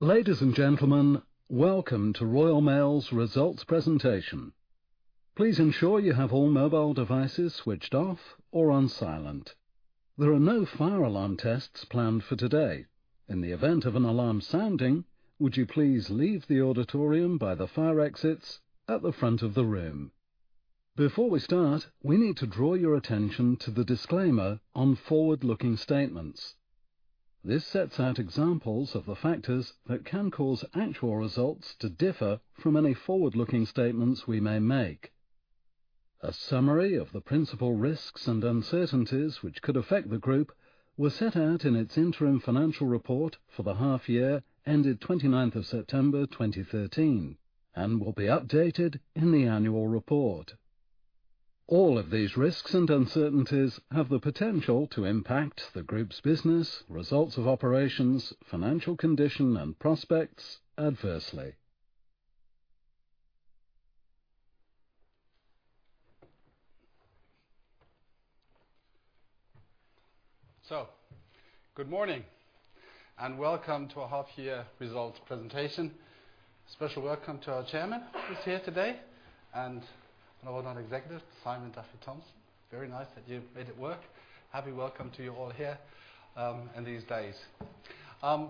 Ladies and gentlemen, welcome to Royal Mail's results presentation. Please ensure you have all mobile devices switched off or on silent. There are no fire alarm tests planned for today. In the event of an alarm sounding, would you please leave the auditorium by the fire exits at the front of the room. Before we start, we need to draw your attention to the disclaimer on forward-looking statements. This sets out examples of the factors that can cause actual results to differ from any forward-looking statements we may make. A summary of the principal risks and uncertainties which could affect the group were set out in its interim financial report for the half-year ended 29th of September 2013, and will be updated in the annual report. All of these risks and uncertainties have the potential to impact the group's business, results of operations, financial condition, and prospects adversely. Good morning, and welcome to our half-year results presentation. Special welcome to our chairman who's here today, and non-executive, Simon Thompson. Very nice that you made it work. Happy welcome to you all here in these days.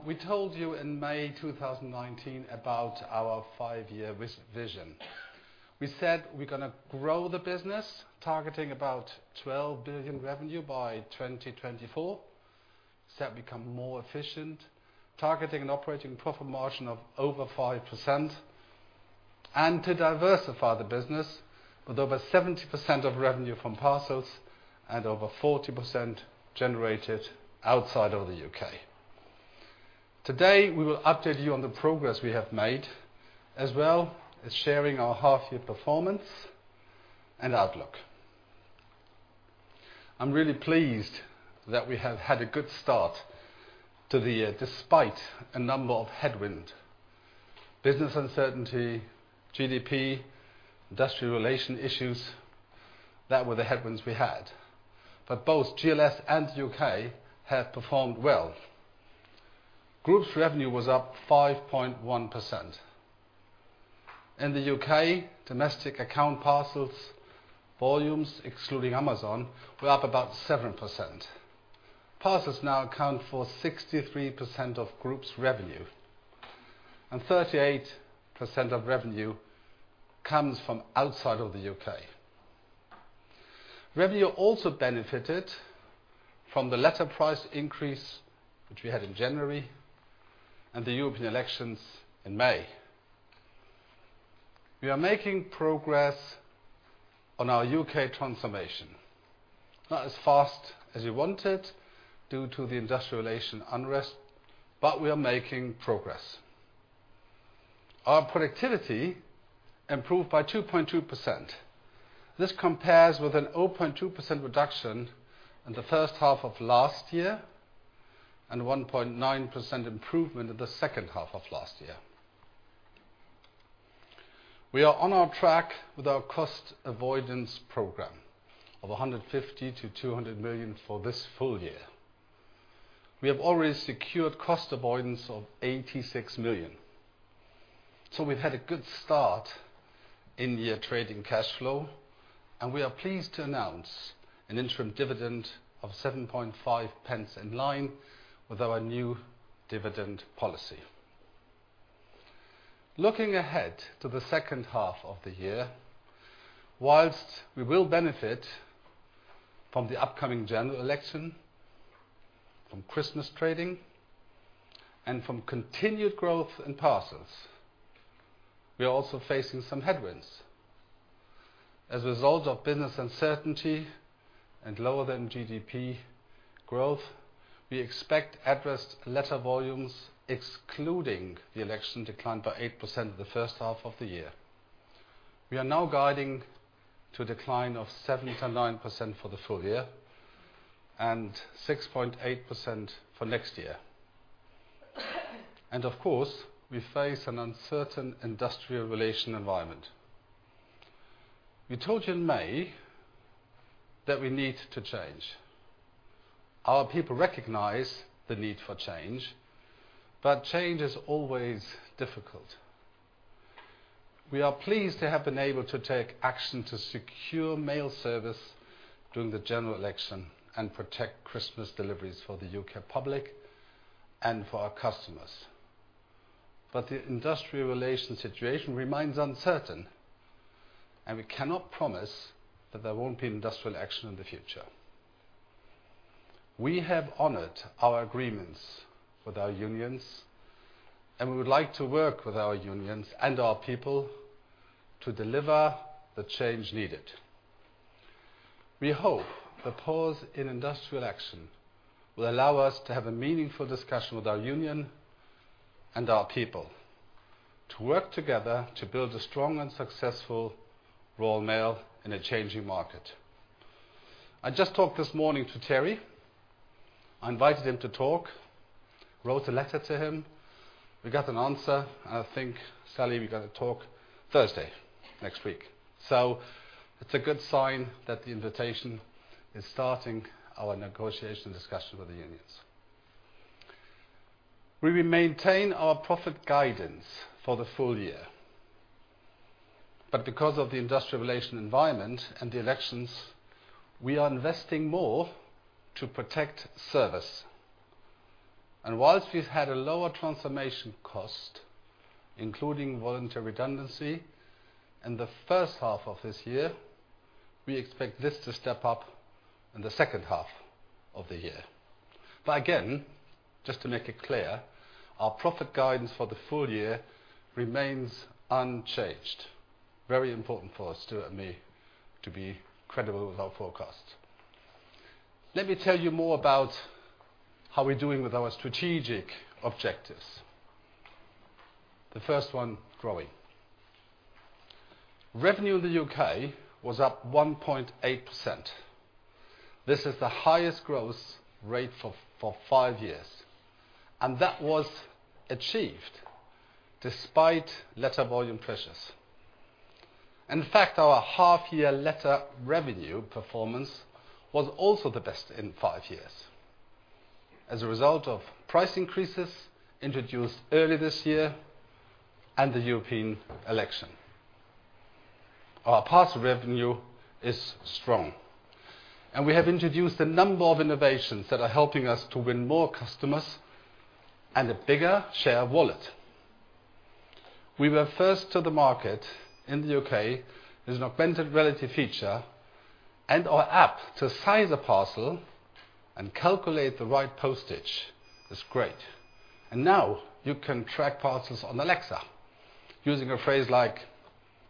We told you in May 2019 about our five-year vision. We said we're gonna grow the business, targeting about 12 billion revenue by 2024. Said we'd become more efficient, targeting an operating profit margin of over 5%, and to diversify the business with over 70% of revenue from parcels and over 40% generated outside of the U.K. Today, we will update you on the progress we have made, as well as sharing our half-year performance and outlook. I'm really pleased that we have had a good start to the year despite a number of headwinds. Business uncertainty, GDP, industrial relation issues. That were the headwinds we had. Both GLS and UK have performed well. Group's revenue was up 5.1%. In the UK, domestic account parcels volumes, excluding Amazon, were up about 7%. Parcels now account for 63% of group's revenue, and 38% of revenue comes from outside of the UK. Revenue also benefited from the letter price increase which we had in January and the European elections in May. We are making progress on our UK transformation. Not as fast as we wanted due to the industrial relation unrest, we are making progress. Our productivity improved by 2.2%. This compares with an 0.2% reduction in the first half of last year and 1.9% improvement in the second half of last year. We are on our track with our cost avoidance program of 150 million-200 million for this full year. We have already secured cost avoidance of 86 million. We've had a good start in the trading cash flow, and we are pleased to announce an interim dividend of 0.075, in line with our new dividend policy. Looking ahead to the second half of the year, whilst we will benefit from the upcoming general election, from Christmas trading, and from continued growth in parcels, we are also facing some headwinds. As a result of business uncertainty and lower than GDP growth, we expect addressed letter volumes, excluding the election decline by 8% in the first half of the year. We are now guiding to a decline of 7%-9% for the full year and 6.8% for next year. Of course, we face an uncertain industrial relation environment. We told you in May that we need to change. Our people recognize the need for change, but change is always difficult. We are pleased to have been able to take action to secure mail service during the general election and protect Christmas deliveries for the U.K. public and for our customers. The industrial relation situation remains uncertain, and we cannot promise that there won't be industrial action in the future. We have honored our agreements with our unions, and we would like to work with our unions and our people to deliver the change needed. We hope the pause in industrial action will allow us to have a meaningful discussion with our union and our people to work together to build a strong and successful Royal Mail in a changing market. I just talked this morning to Terry. I invited him to talk, wrote a letter to him. We got an answer. I think, Sally, we're gonna talk Thursday. Next week. It's a good sign that the invitation is starting our negotiation discussion with the unions. We will maintain our profit guidance for the full year. Because of the industrial relation environment and the elections, we are investing more to protect service. Whilst we've had a lower transformation cost, including voluntary redundancy in the first half of this year, we expect this to step up in the second half of the year. Again, just to make it clear, our profit guidance for the full year remains unchanged. Very important for us, Stuart and me, to be credible with our forecast. Let me tell you more about how we're doing with our strategic objectives. The first one, growing. Revenue in the U.K. was up 1.8%. This is the highest growth rate for five years, and that was achieved despite letter volume pressures. In fact, our half-year letter revenue performance was also the best in five years as a result of price increases introduced early this year and the European election. Our parcel revenue is strong. We have introduced a number of innovations that are helping us to win more customers and a bigger share of wallet. We were first to the market in the U.K. with an augmented reality feature and our app to size a parcel and calculate the right postage. It's great. Now you can track parcels on Alexa using a phrase like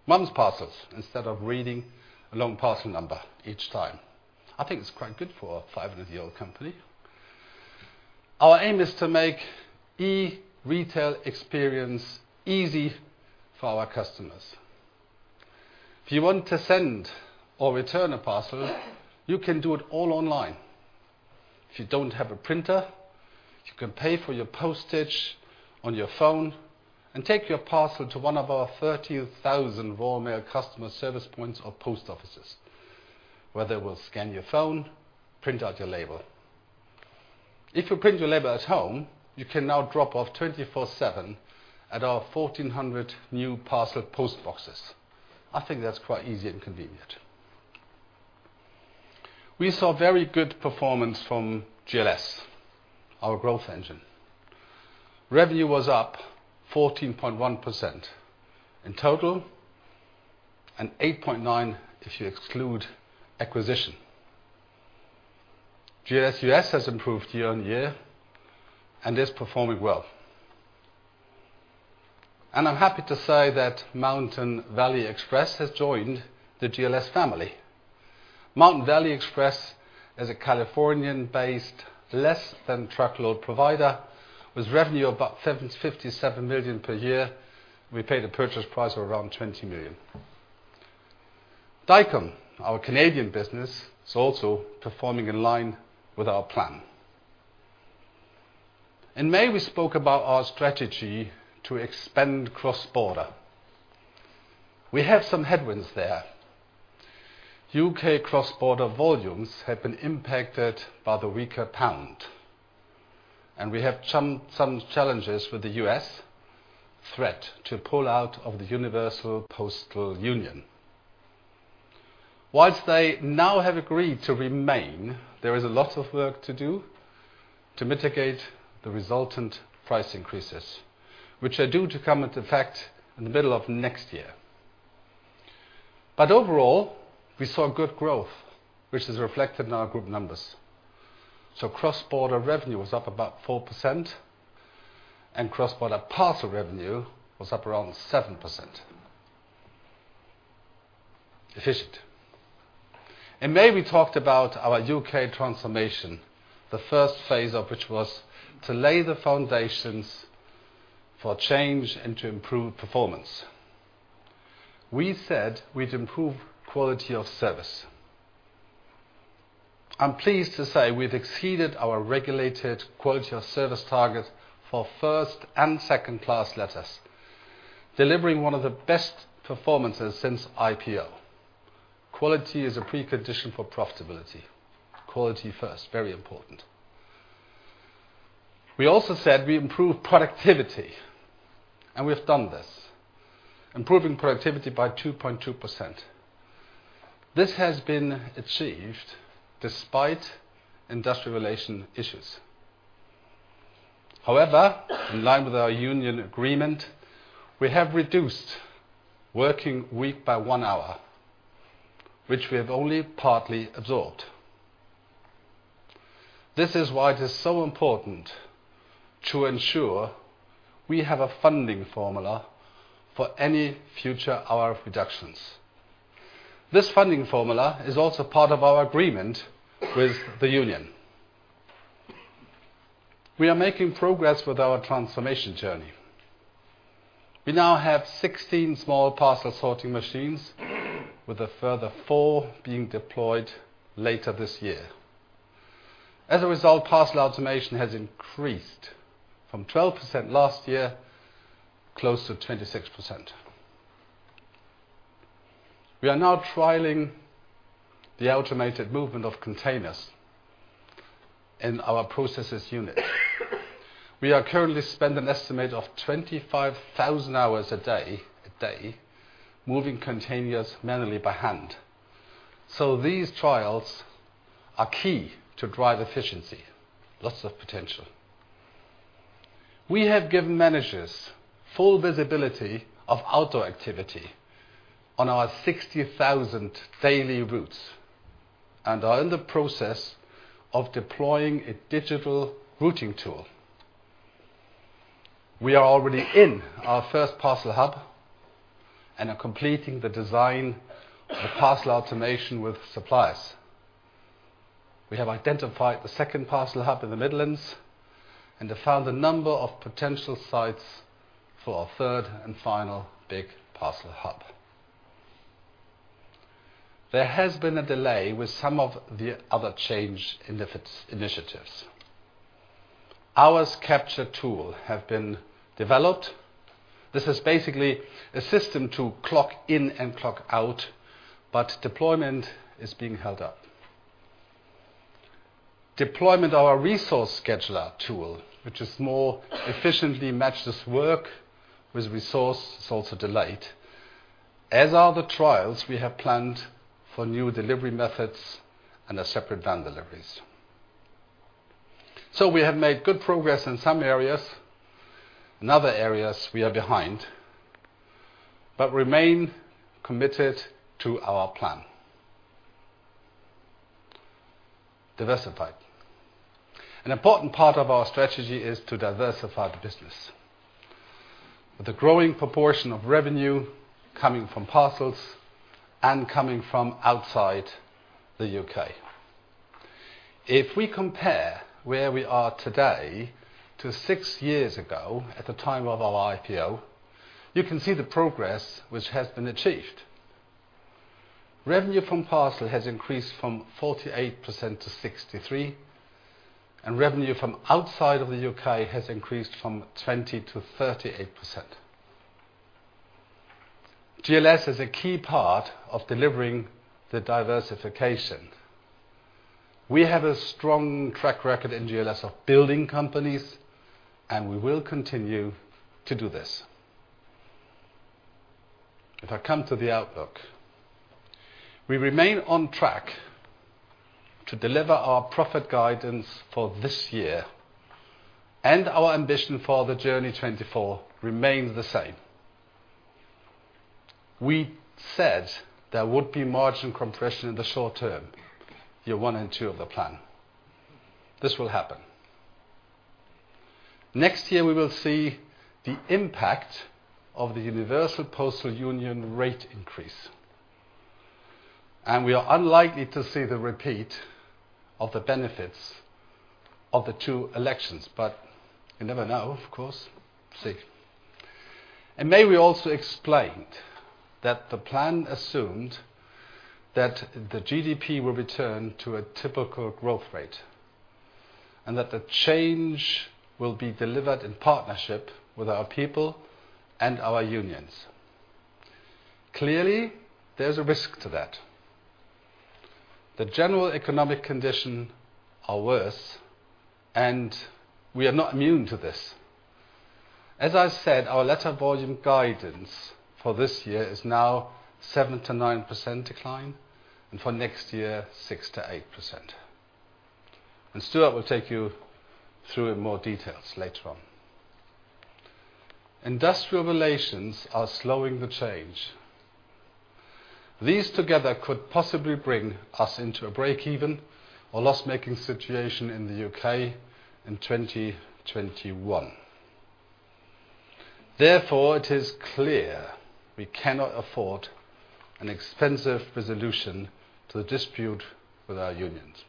"mum's parcels" instead of reading a long parcel number each time. I think it's quite good for a 500-year-old company. Our aim is to make e-retail experience easy for our customers. If you want to send or return a parcel, you can do it all online. If you don't have a printer, you can pay for your postage on your phone and take your parcel to one of our 30,000 Royal Mail customer service points or post offices, where they will scan your phone, print out your label. If you print your label at home, you can now drop off 24/7 at our 1,400 new parcel post boxes. I think that's quite easy and convenient. We saw very good performance from GLS, our growth engine. Revenue was up 14.1% in total and 8.9% if you exclude acquisition. GLS U.S. has improved year-on-year and is performing well. I'm happy to say that Mountain Valley Express has joined the GLS family. Mountain Valley Express is a Californian-based less than truckload provider with revenue of about $57 million per year. We paid a purchase price of around $20 million. Dicom, our Canadian business, is also performing in line with our plan. In May, we spoke about our strategy to expand cross-border. We have some headwinds there. U.K. cross-border volumes have been impacted by the weaker pound, we have some challenges with the U.S. threat to pull out of the Universal Postal Union. While they now have agreed to remain, there is a lot of work to do to mitigate the resultant price increases, which are due to come into effect in the middle of next year. Overall, we saw good growth, which is reflected in our group numbers. Cross-border revenue was up about 4% and cross-border parcel revenue was up around 7%. Efficient. In May, we talked about our U.K. transformation, the first phase of which was to lay the foundations for change and to improve performance. We said we'd improve quality of service. I'm pleased to say we've exceeded our regulated quality of service targets for first and second-class letters, delivering one of the best performances since IPO. Quality is a precondition for profitability. Quality first, very important. We also said we'd improve productivity, and we've done this, improving productivity by 2.2%. This has been achieved despite industrial relation issues. However, in line with our union agreement, we have reduced working week by one hour, which we have only partly absorbed. This is why it is so important to ensure we have a funding formula for any future hour reductions. This funding formula is also part of our agreement with the union. We are making progress with our transformation journey. We now have 16 small parcel sorting machines with a further four being deployed later this year. As a result, parcel automation has increased from 12% last year close to 26%. We are now trialing the automated movement of containers in our processes unit. We are currently spend an estimate of 25,000 hours a day moving containers manually by hand. These trials are key to drive efficiency, lots of potential. We have given managers full visibility of outdoor activity on our 60,000 daily routes and are in the process of deploying a digital routing tool. We are already in our first parcel hub and are completing the design of the parcel automation with suppliers. We have identified the second parcel hub in the Midlands and have found a number of potential sites for our third and final big parcel hub. There has been a delay with some of the other change initiatives. Hours capture tool have been developed. This is basically a system to clock in and clock out, but deployment is being held up. Deployment of our resource scheduler tool, which more efficiently matches work with resource is also delayed, as are the trials we have planned for new delivery methods and our separate van deliveries. We have made good progress in some areas. In other areas we are behind, but remain committed to our plan. Diversified. An important part of our strategy is to diversify the business, with a growing proportion of revenue coming from parcels and coming from outside the U.K. If we compare where we are today to six years ago at the time of our IPO, you can see the progress which has been achieved. Revenue from parcel has increased from 48%-63%, and revenue from outside of the U.K. has increased from 20%-38%. GLS is a key part of delivering the diversification. We have a strong track record in GLS of building companies, and we will continue to do this. If I come to the outlook. We remain on track to deliver our profit guidance for this year, and our ambition for the Journey 2024 remains the same. We said there would be margin compression in the short term, year one and two of the plan. This will happen. Next year we will see the impact of the Universal Postal Union rate increase. We are unlikely to see the repeat of the benefits of the two elections, but you never know, of course. We'll see. In May we also explained that the plan assumed that the GDP will return to a typical growth rate, and that the change will be delivered in partnership with our people and our unions. Clearly, there's a risk to that. The general economic condition are worse, we are not immune to this. As I said, our letter volume guidance for this year is now 7%-9% decline, and for next year, 6%-8%. Stuart will take you through in more details later on. Industrial relations are slowing the change. These together could possibly bring us into a break-even or loss-making situation in the U.K. in 2021. Therefore, it is clear we cannot afford an expensive resolution to the dispute with our unions.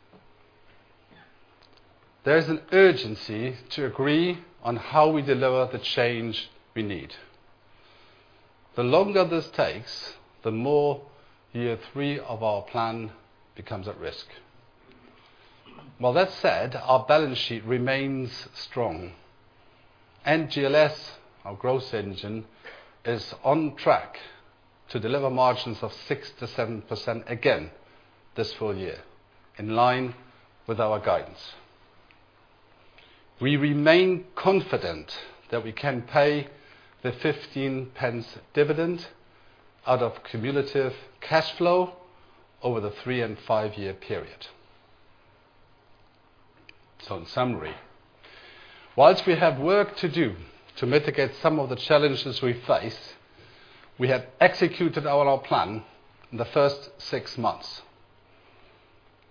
There is an urgency to agree on how we deliver the change we need. The longer this takes, the more year three of our plan becomes at risk. While that's said, our balance sheet remains strong. GLS, our growth engine, is on track to deliver margins of 6%-7% again this full year, in line with our guidance. We remain confident that we can pay the 0.15 dividend out of cumulative cash flow over the three and five-year period. In summary, whilst we have work to do to mitigate some of the challenges we face, we have executed our plan in the first six months.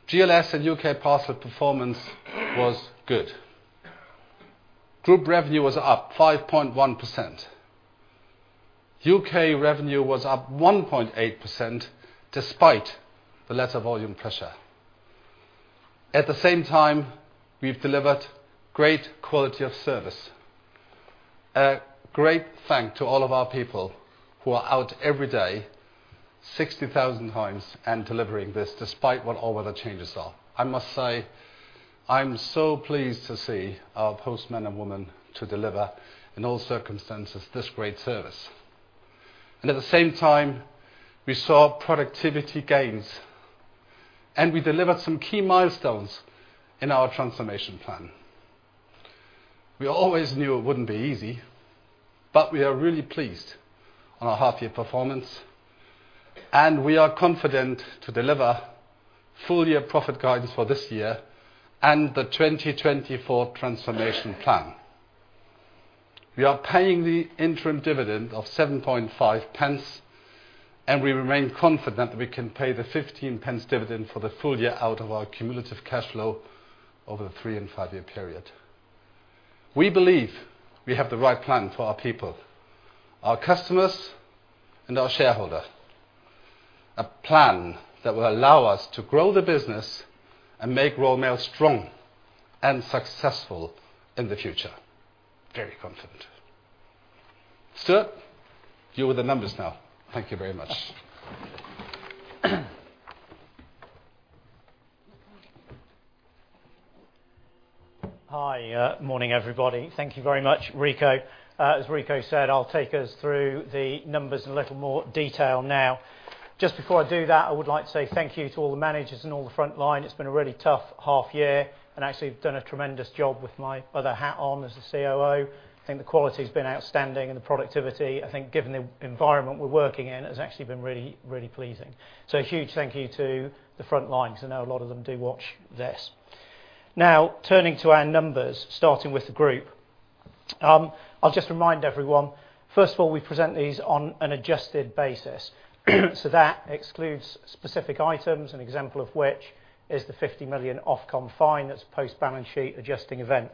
GLS and UKPIL performance was good. Group revenue was up 5.1%. U.K. revenue was up 1.8% despite the letter volume pressure. At the same time, we've delivered great quality of service. A great thank to all of our people who are out every day 60,000x and delivering this despite what our weather changes are. I must say, I'm so pleased to see our postmen and women to deliver in all circumstances, this great service. At the same time, we saw productivity gains and we delivered some key milestones in our transformation plan. We always knew it wouldn't be easy, but we are really pleased on our half year performance, and we are confident to deliver full year profit guidance for this year and Journey 2024. We are paying the interim dividend of 0.075, and we remain confident that we can pay the 0.15 dividend for the full year out of our cumulative cash flow over the three and five-year period. We believe we have the right plan for our people, our customers, and our shareholder, a plan that will allow us to grow the business and make Royal Mail strong and successful in the future. Very confident. Stuart, you're with the numbers now. Thank you very much. Hi. Morning, everybody. Thank you very much, Rico. As Rico said, I'll take us through the numbers in a little more detail now. Just before I do that, I would like to say thank you to all the managers and all the front line. It's been a really tough half year and actually have done a tremendous job with my other hat on as the COO. I think the quality's been outstanding, and the productivity, I think given the environment we're working in, has actually been really, really pleasing. A huge thank you to the front lines. I know a lot of them do watch this. Now, turning to our numbers, starting with the group. I'll just remind everyone, first of all, we present these on an adjusted basis. That excludes specific items, an example of which is the 50 million Ofcom fine that's a post-balance sheet adjusting event.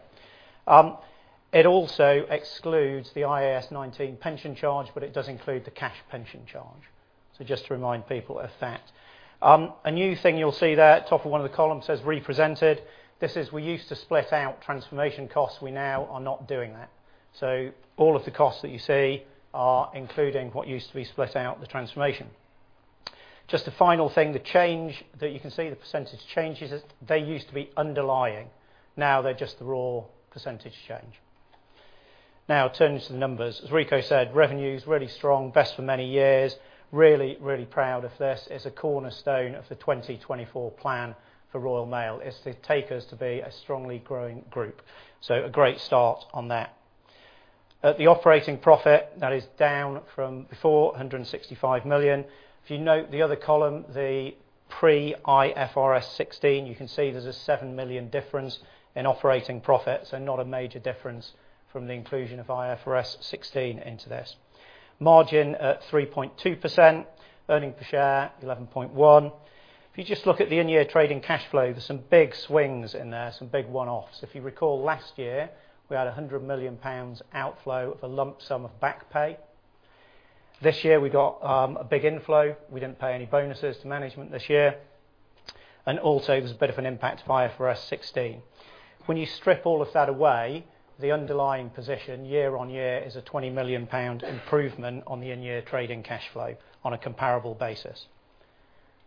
It also excludes the IAS 19 pension charge, but it does include the cash pension charge. Just to remind people of that. A new thing you'll see there, top of one of the columns says, "Re-presented." This is we used to split out transformation costs. We now are not doing that. All of the costs that you see are including what used to be split out in the transformation. Just a final thing, the change that you can see, the percentage changes, they used to be underlying. Now they're just the raw percentage change. Turning to the numbers. As Rico said, revenue's really strong, best for many years, really, really proud of this. It's a cornerstone of the 2024 plan for Royal Mail. It's to take us to be a strongly growing group. A great start on that. At the operating profit, that is down from before, 165 million. If you note the other column, the pre-IFRS 16, you can see there's a 7 million difference in operating profits, and not a major difference from the inclusion of IFRS 16 into this. Margin at 3.2%, earnings per share 11.1. If you just look at the in-year trading cash flow, there's some big swings in there, some big one-offs. If you recall last year, we had 100 million pounds outflow of a lump sum of back pay. This year we got a big inflow. We didn't pay any bonuses to management this year. Also, there was a bit of an impact via IFRS 16. When you strip all of that away, the underlying position year-on-year is a 20 million pound improvement on the in-year trading cash flow on a comparable basis.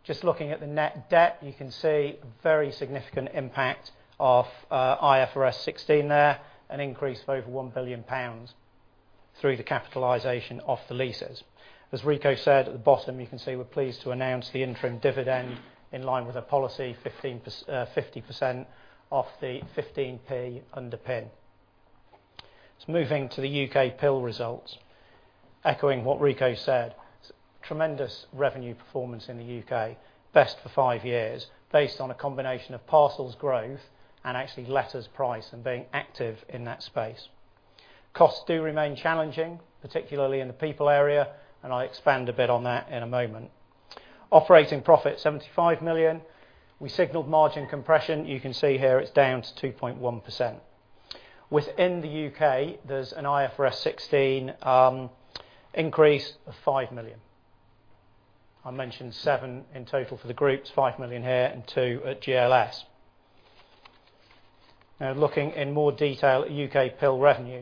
Just looking at the net debt, you can see a very significant impact of IFRS 16 there, an increase of over 1 billion pounds through the capitalization of the leases. As Rico said, at the bottom you can see we're pleased to announce the interim dividend in line with our policy, 50% of the 0.15 underpin. Moving to the UKPIL results. Echoing what Rico said, tremendous revenue performance in the U.K., best for five years, based on a combination of parcels growth and actually letters price and being active in that space. Costs do remain challenging, particularly in the people area, I'll expand a bit on that in a moment. Operating profit 75 million. We signaled margin compression. You can see here it's down to 2.1%. Within the U.K., there's an IFRS 16 increase of 5 million. I mentioned seven in total for the groups, 5 million here and 2 million at GLS. Looking in more detail at UKPIL revenue.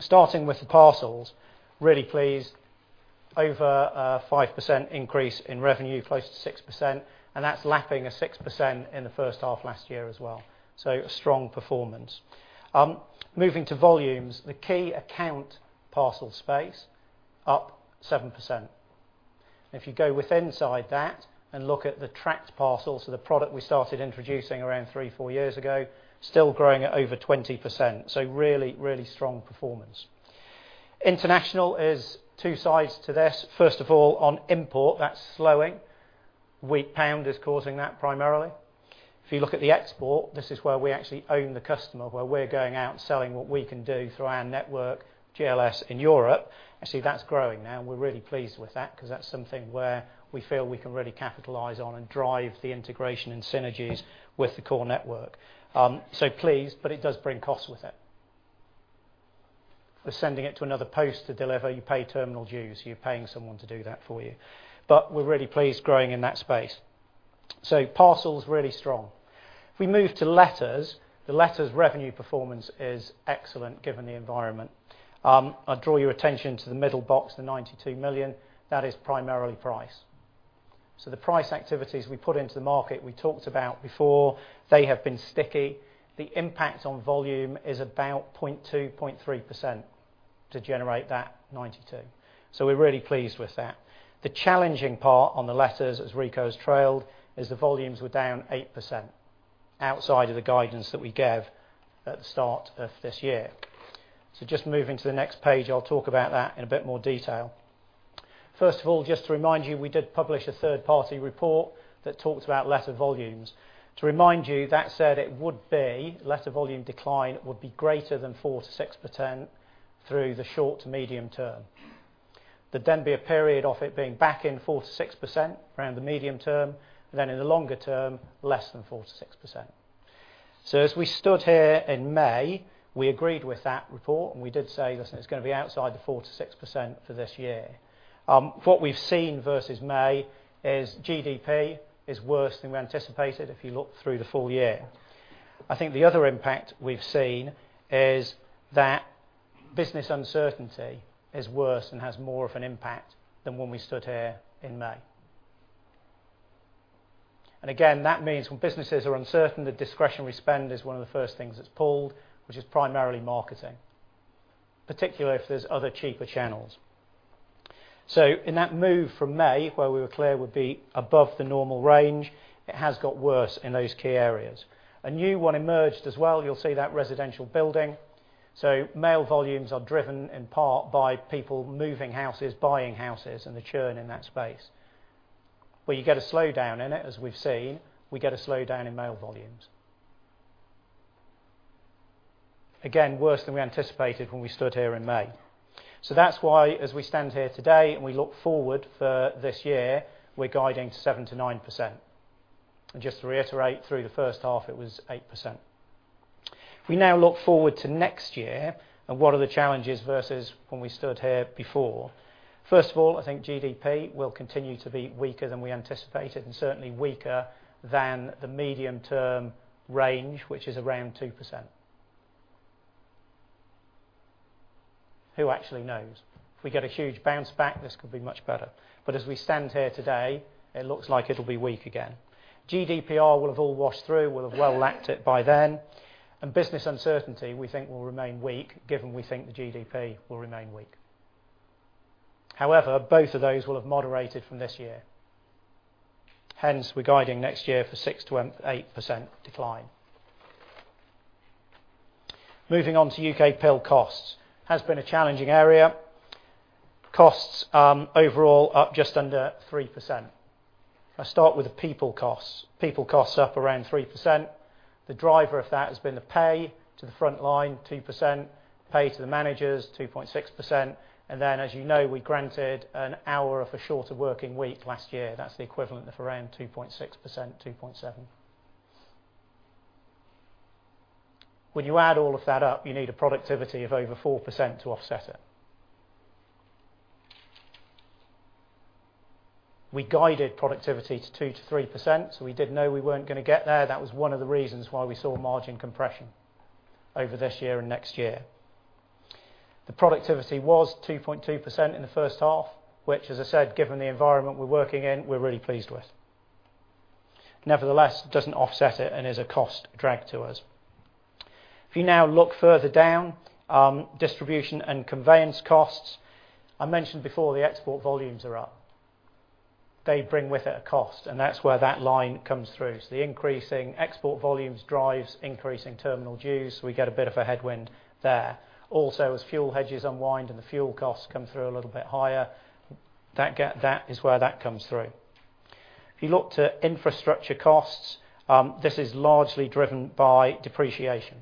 Starting with the parcels, really pleased, over a 5% increase in revenue, close to 6%, That's lapping a 6% in the first half last year as well. A strong performance. Moving to volumes, the key account parcel space up 7%. If you go with inside that and look at the tracked parcels for the product we started introducing around three, four years ago, still growing at over 20%. Really strong performance. International is two sides to this. First of all, on import, that's slowing. Weak pound is causing that primarily. If you look at the export, this is where we actually own the customer, where we're going out and selling what we can do through our network, GLS in Europe. That's growing now and we're really pleased with that because that's something where we feel we can really capitalize on and drive the integration and synergies with the core network. Pleased, but it does bring costs with it. For sending it to another post to deliver, you pay terminal dues. You're paying someone to do that for you. We're really pleased growing in that space. Parcels, really strong. If we move to letters, the letters revenue performance is excellent given the environment. I draw your attention to the middle box, the 92 million. That is primarily price. The price activities we put into the market, we talked about before, they have been sticky. The impact on volume is about 0.2%, 0.3% to generate that 92. We're really pleased with that. The challenging part on the letters, as Rico has trailed, is the volumes were down 8% outside of the guidance that we gave at the start of this year. Just moving to the next page, I'll talk about that in a bit more detail. First of all, just to remind you, we did publish a third-party report that talked about letter volumes. To remind you, that said it would be letter volume decline would be greater than 4%-6% through the short to medium term. There'd then be a period of it being back in 4%-6% around the medium term, and then in the longer term, less than 4%-6%. As we stood here in May, we agreed with that report, we did say, listen, it's going to be outside the 4%-6% for this year. What we've seen versus May is GDP is worse than we anticipated if you look through the full year. I think the other impact we've seen is that business uncertainty is worse and has more of an impact than when we stood here in May. Again, that means when businesses are uncertain, the discretionary spend is one of the first things that's pulled, which is primarily marketing, particularly if there's other cheaper channels. In that move from May, where we were clear would be above the normal range, it has got worse in those key areas. A new one emerged as well. You'll see that residential building. Mail volumes are driven in part by people moving houses, buying houses, and the churn in that space, where you get a slowdown in it, as we've seen, we get a slowdown in mail volumes. Again, worse than we anticipated when we stood here in May. That's why, as we stand here today and we look forward for this year, we're guiding to 7%-9%. Just to reiterate, through the first half, it was 8%. If we now look forward to next year, what are the challenges versus when we stood here before, first of all, I think GDP will continue to be weaker than we anticipated and certainly weaker than the medium-term range, which is around 2%. Who actually knows? If we get a huge bounce back, this could be much better. As we stand here today, it looks like it'll be weak again. GDPR will have all washed through. We'll have well lapped it by then. Business uncertainty we think will remain weak given we think the GDP will remain weak. However, both of those will have moderated from this year. Hence, we're guiding next year for 6%-8% decline. Moving on to UKPIL costs. It has been a challenging area. Costs overall up just under 3%. I start with the people costs. People costs up around 3%. The driver of that has been the pay to the front line, 2%, pay to the managers, 2.6%. Then as you know, we granted an hour of a shorter working week last year. That's the equivalent of around 2.6%, 2.7%. When you add all of that up, you need a productivity of over 4% to offset it. We guided productivity to 2%-3%, we did know we weren't going to get there. That was one of the reasons why we saw margin compression over this year and next year. The productivity was 2.2% in the first half, which, as I said, given the environment we're working in, we're really pleased with. Nevertheless, it doesn't offset it and is a cost drag to us. If you now look further down, distribution and conveyance costs. I mentioned before the export volumes are up. They bring with it a cost, and that's where that line comes through. The increasing export volumes drives increasing terminal dues, so we get a bit of a headwind there. Also, as fuel hedges unwind and the fuel costs come through a little bit higher, that is where that comes through. If you look to infrastructure costs, this is largely driven by depreciation.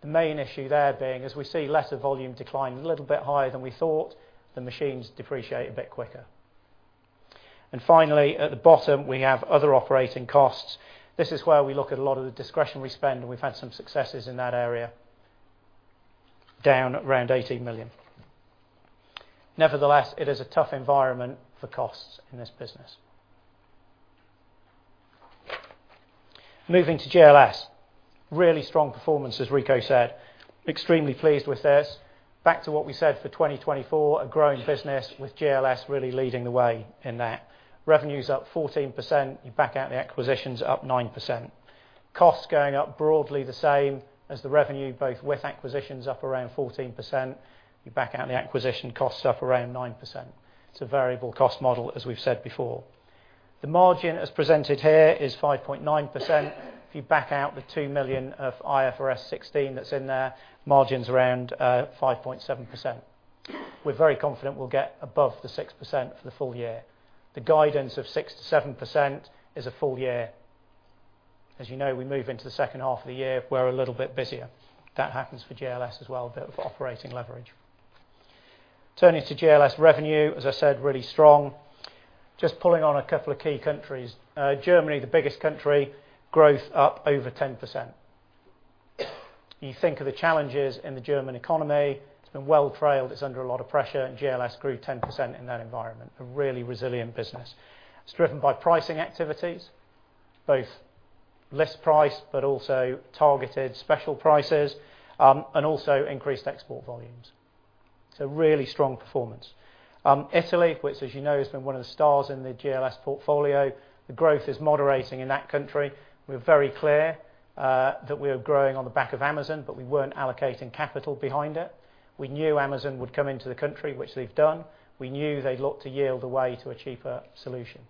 The main issue there being, as we see letter volume decline a little bit higher than we thought, the machines depreciate a bit quicker. Finally, at the bottom, we have other operating costs. This is where we look at a lot of the discretionary spend, and we've had some successes in that area, down around 18 million. Nevertheless, it is a tough environment for costs in this business. Moving to GLS. Really strong performance, as Rico said. Extremely pleased with this. Back to what we said for 2024, a growing business with GLS really leading the way in that. Revenue's up 14%, you back out the acquisitions, up 9%. Costs going up broadly the same as the revenue, both with acquisitions up around 14%, you back out the acquisition costs up around 9%. It's a variable cost model, as we've said before. The margin as presented here is 5.9%. If you back out the 2 million of IFRS 16 that's in there, margin's around 5.7%. We're very confident we'll get above the 6% for the full year. The guidance of 6%-7% is a full year. As you know, we move into the second half of the year, we're a little bit busier. That happens for GLS as well, a bit of operating leverage. Turning to GLS revenue, as I said, really strong. Just pulling on a couple of key countries. Germany, the biggest country, growth up over 10%. You think of the challenges in the German economy, it's been well trailed, it's under a lot of pressure, and GLS grew 10% in that environment. A really resilient business. It's driven by pricing activities, both list price, but also targeted special prices, and also increased export volumes. Really strong performance. Italy, which as you know, has been one of the stars in the GLS portfolio. The growth is moderating in that country. We're very clear that we are growing on the back of Amazon, but we weren't allocating capital behind it. We knew Amazon would come into the country, which they've done. We knew they'd look to yield away to a cheaper solution.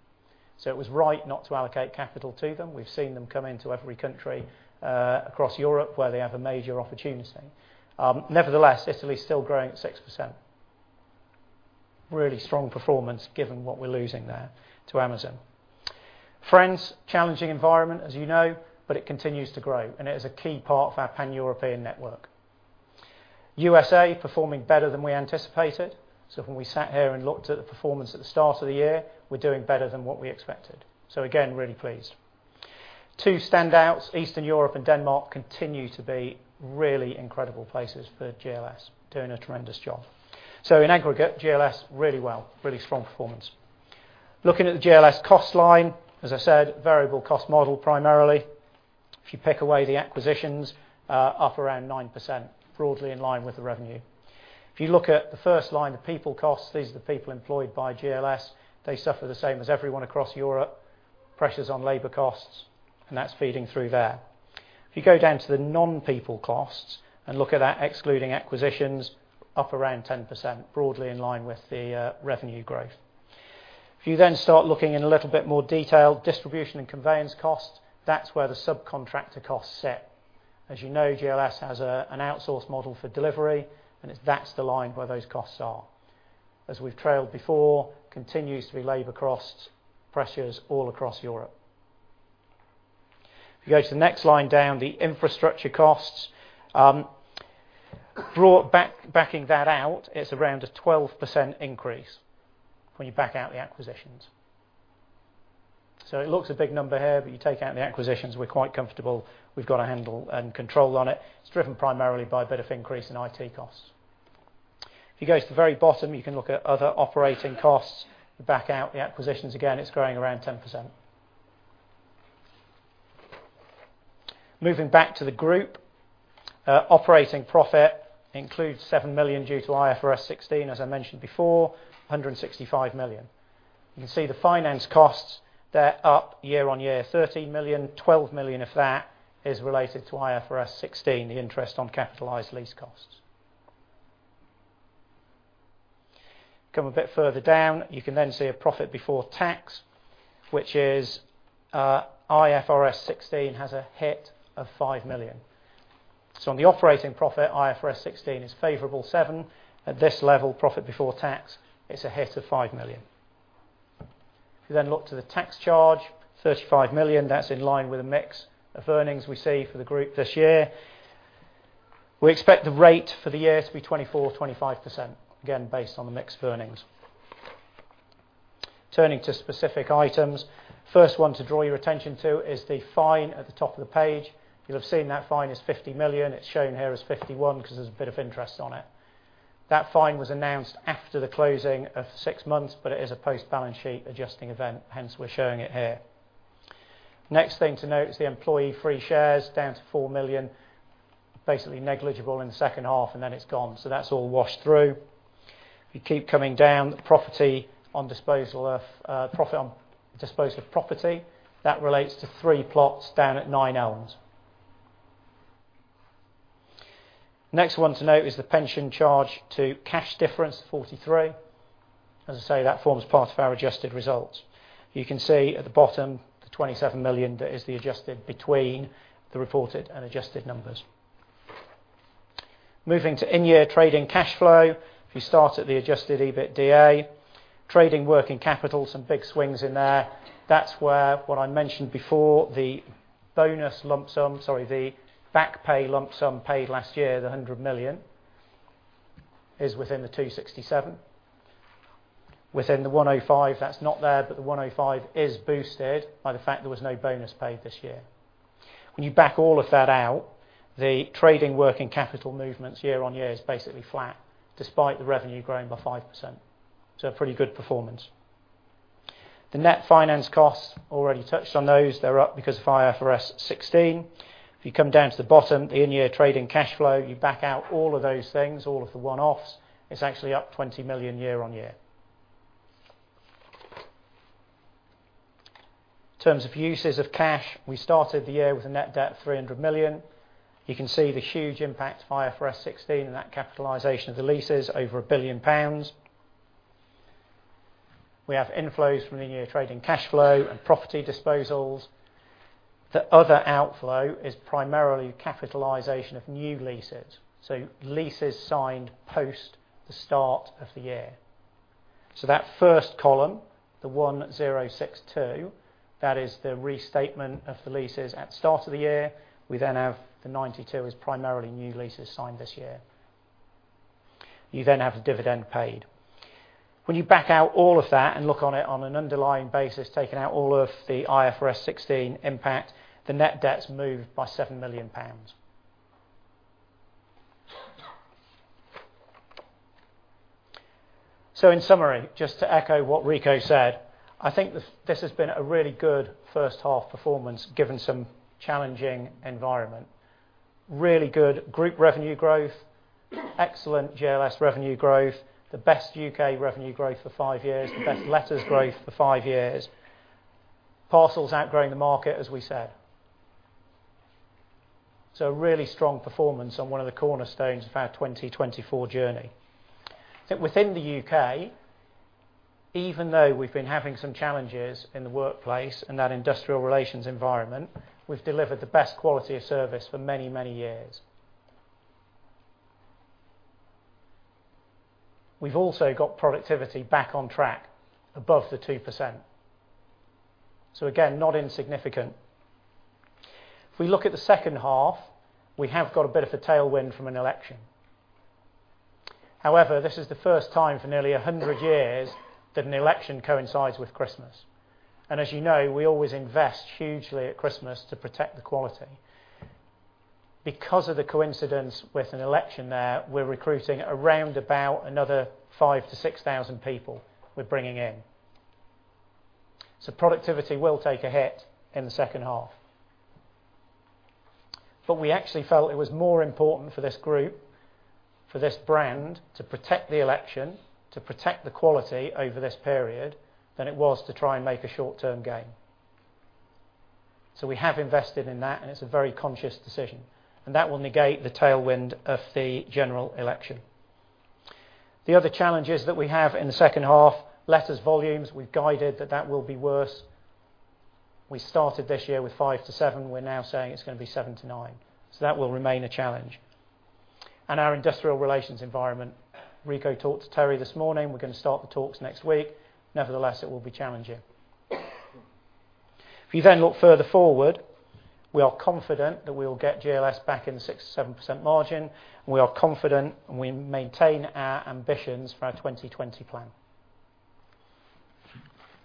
It was right not to allocate capital to them. We've seen them come into every country across Europe where they have a major opportunity. Nevertheless, Italy's still growing at 6%. Really strong performance given what we're losing there to Amazon. France, challenging environment, as you know, but it continues to grow, and it is a key part of our pan-European network. U.S.A. performing better than we anticipated. When we sat here and looked at the performance at the start of the year, we're doing better than what we expected. Again, really pleased. Two standouts, Eastern Europe and Denmark continue to be really incredible places for GLS, doing a tremendous job. In aggregate, GLS, really well, really strong performance. Looking at the GLS cost line, as I said, variable cost model primarily. If you pick away the acquisitions, up around 9%, broadly in line with the revenue. If you look at the first line, the people costs, these are the people employed by GLS, they suffer the same as everyone across Europe, pressures on labor costs, and that's feeding through there. If you go down to the non-people costs and look at that excluding acquisitions, up around 10%, broadly in line with the revenue growth. If you then start looking in a little bit more detail, distribution and conveyance costs, that's where the subcontractor costs sit. As you know, GLS has an outsourced model for delivery, and that's the line where those costs are. As we've trailed before, continues to be labor cost pressures all across Europe. If you go to the next line down, the infrastructure costs, backing that out, it's around a 12% increase when you back out the acquisitions. It looks a big number here, but you take out the acquisitions, we're quite comfortable we've got a handle and control on it. It's driven primarily by a bit of increase in IT costs. If you go to the very bottom, you can look at other operating costs. Back out the acquisitions again, it's growing around 10%. Moving back to the group, operating profit includes 7 million due to IFRS 16, as I mentioned before, 165 million. You can see the finance costs, they're up year-on-year 13 million. 12 million of that is related to IFRS 16, the interest on capitalized lease costs. Come a bit further down, you can then see a profit before tax, which is IFRS 16 has a hit of 5 million. On the operating profit, IFRS 16 is favorable 7. At this level, profit before tax, it's a hit of 5 million. If you then look to the tax charge, 35 million, that's in line with the mix of earnings we see for the group this year. We expect the rate for the year to be 24%-25%, again, based on the mix of earnings. Turning to specific items, first one to draw your attention to is the fine at the top of the page. You'll have seen that fine is 50 million. It is shown here as 51 because there's a bit of interest on it. That fine was announced after the closing of six months, it is a post-balance sheet adjusting event, hence we're showing it here. Next thing to note is the employee free shares down to 4 million, basically negligible in the second half, and then it's gone. That's all washed through. If you keep coming down, profit on disposal of property. That relates to three plots down at Nine Elms. Next one to note is the pension charge to cash difference 43. As I say, that forms part of our adjusted results. You can see at the bottom, the 27 million, that is the adjusted between the reported and adjusted numbers. Moving to in-year trading cash flow. If you start at the adjusted EBITDA, trading working capital, some big swings in there. That's where what I mentioned before, the back pay lump sum paid last year, the 100 million, is within the 267. Within the 105, that's not there, the 105 is boosted by the fact there was no bonus paid this year. When you back all of that out, the trading working capital movements year-on-year is basically flat despite the revenue growing by 5%. A pretty good performance. The net finance costs, already touched on those. They're up because of IFRS 16. If you come down to the bottom, the in-year trading cash flow, you back out all of those things, all of the one-offs, it's actually up 20 million year on year. In terms of uses of cash, we started the year with a net debt of 300 million. You can see the huge impact of IFRS 16 and that capitalization of the leases over 1 billion pounds. We have inflows from the in-year trading cash flow and property disposals. The other outflow is primarily capitalization of new leases. Leases signed post the start of the year. That first column, the 1,062, that is the restatement of the leases at the start of the year. We then have the 92 is primarily new leases signed this year. You then have the dividend paid. When you back out all of that and look on it on an underlying basis, taking out all of the IFRS 16 impact, the net debt's moved by 7 million pounds. In summary, just to echo what Rico said, I think this has been a really good first half performance given some challenging environment. Really good group revenue growth, excellent GLS revenue growth, the best U.K. revenue growth for five years, the best Letters growth for five years. Parcels outgrowing the market, as we said. A really strong performance on one of the cornerstones of our Journey 2024. Within the U.K., even though we've been having some challenges in the workplace and that industrial relations environment, we've delivered the best quality of service for many, many years. We've also got productivity back on track above the 2%. Again, not insignificant. If we look at the second half, we have got a bit of a tailwind from an election. However, this is the first time for nearly 100 years that an election coincides with Christmas. As you know, we always invest hugely at Christmas to protect the quality. Because of the coincidence with an election there, we're recruiting around about another 5,000-6,000 people we're bringing in. Productivity will take a hit in the second half. We actually felt it was more important for this group, for this brand, to protect the election, to protect the quality over this period than it was to try and make a short-term gain. We have invested in that, and it's a very conscious decision, and that will negate the tailwind of the general election. The other challenges that we have in the second half, Letters volumes, we've guided that that will be worse. We started this year with 5%-7%. We're now saying it's going to be 7%-9%. That will remain a challenge. Our industrial relations environment. Rico talked to Terry this morning. We're going to start the talks next week. Nevertheless, it will be challenging. If you then look further forward, we are confident that we will get GLS back in the 6%-7% margin. We are confident, and we maintain our ambitions for our 2020 plan.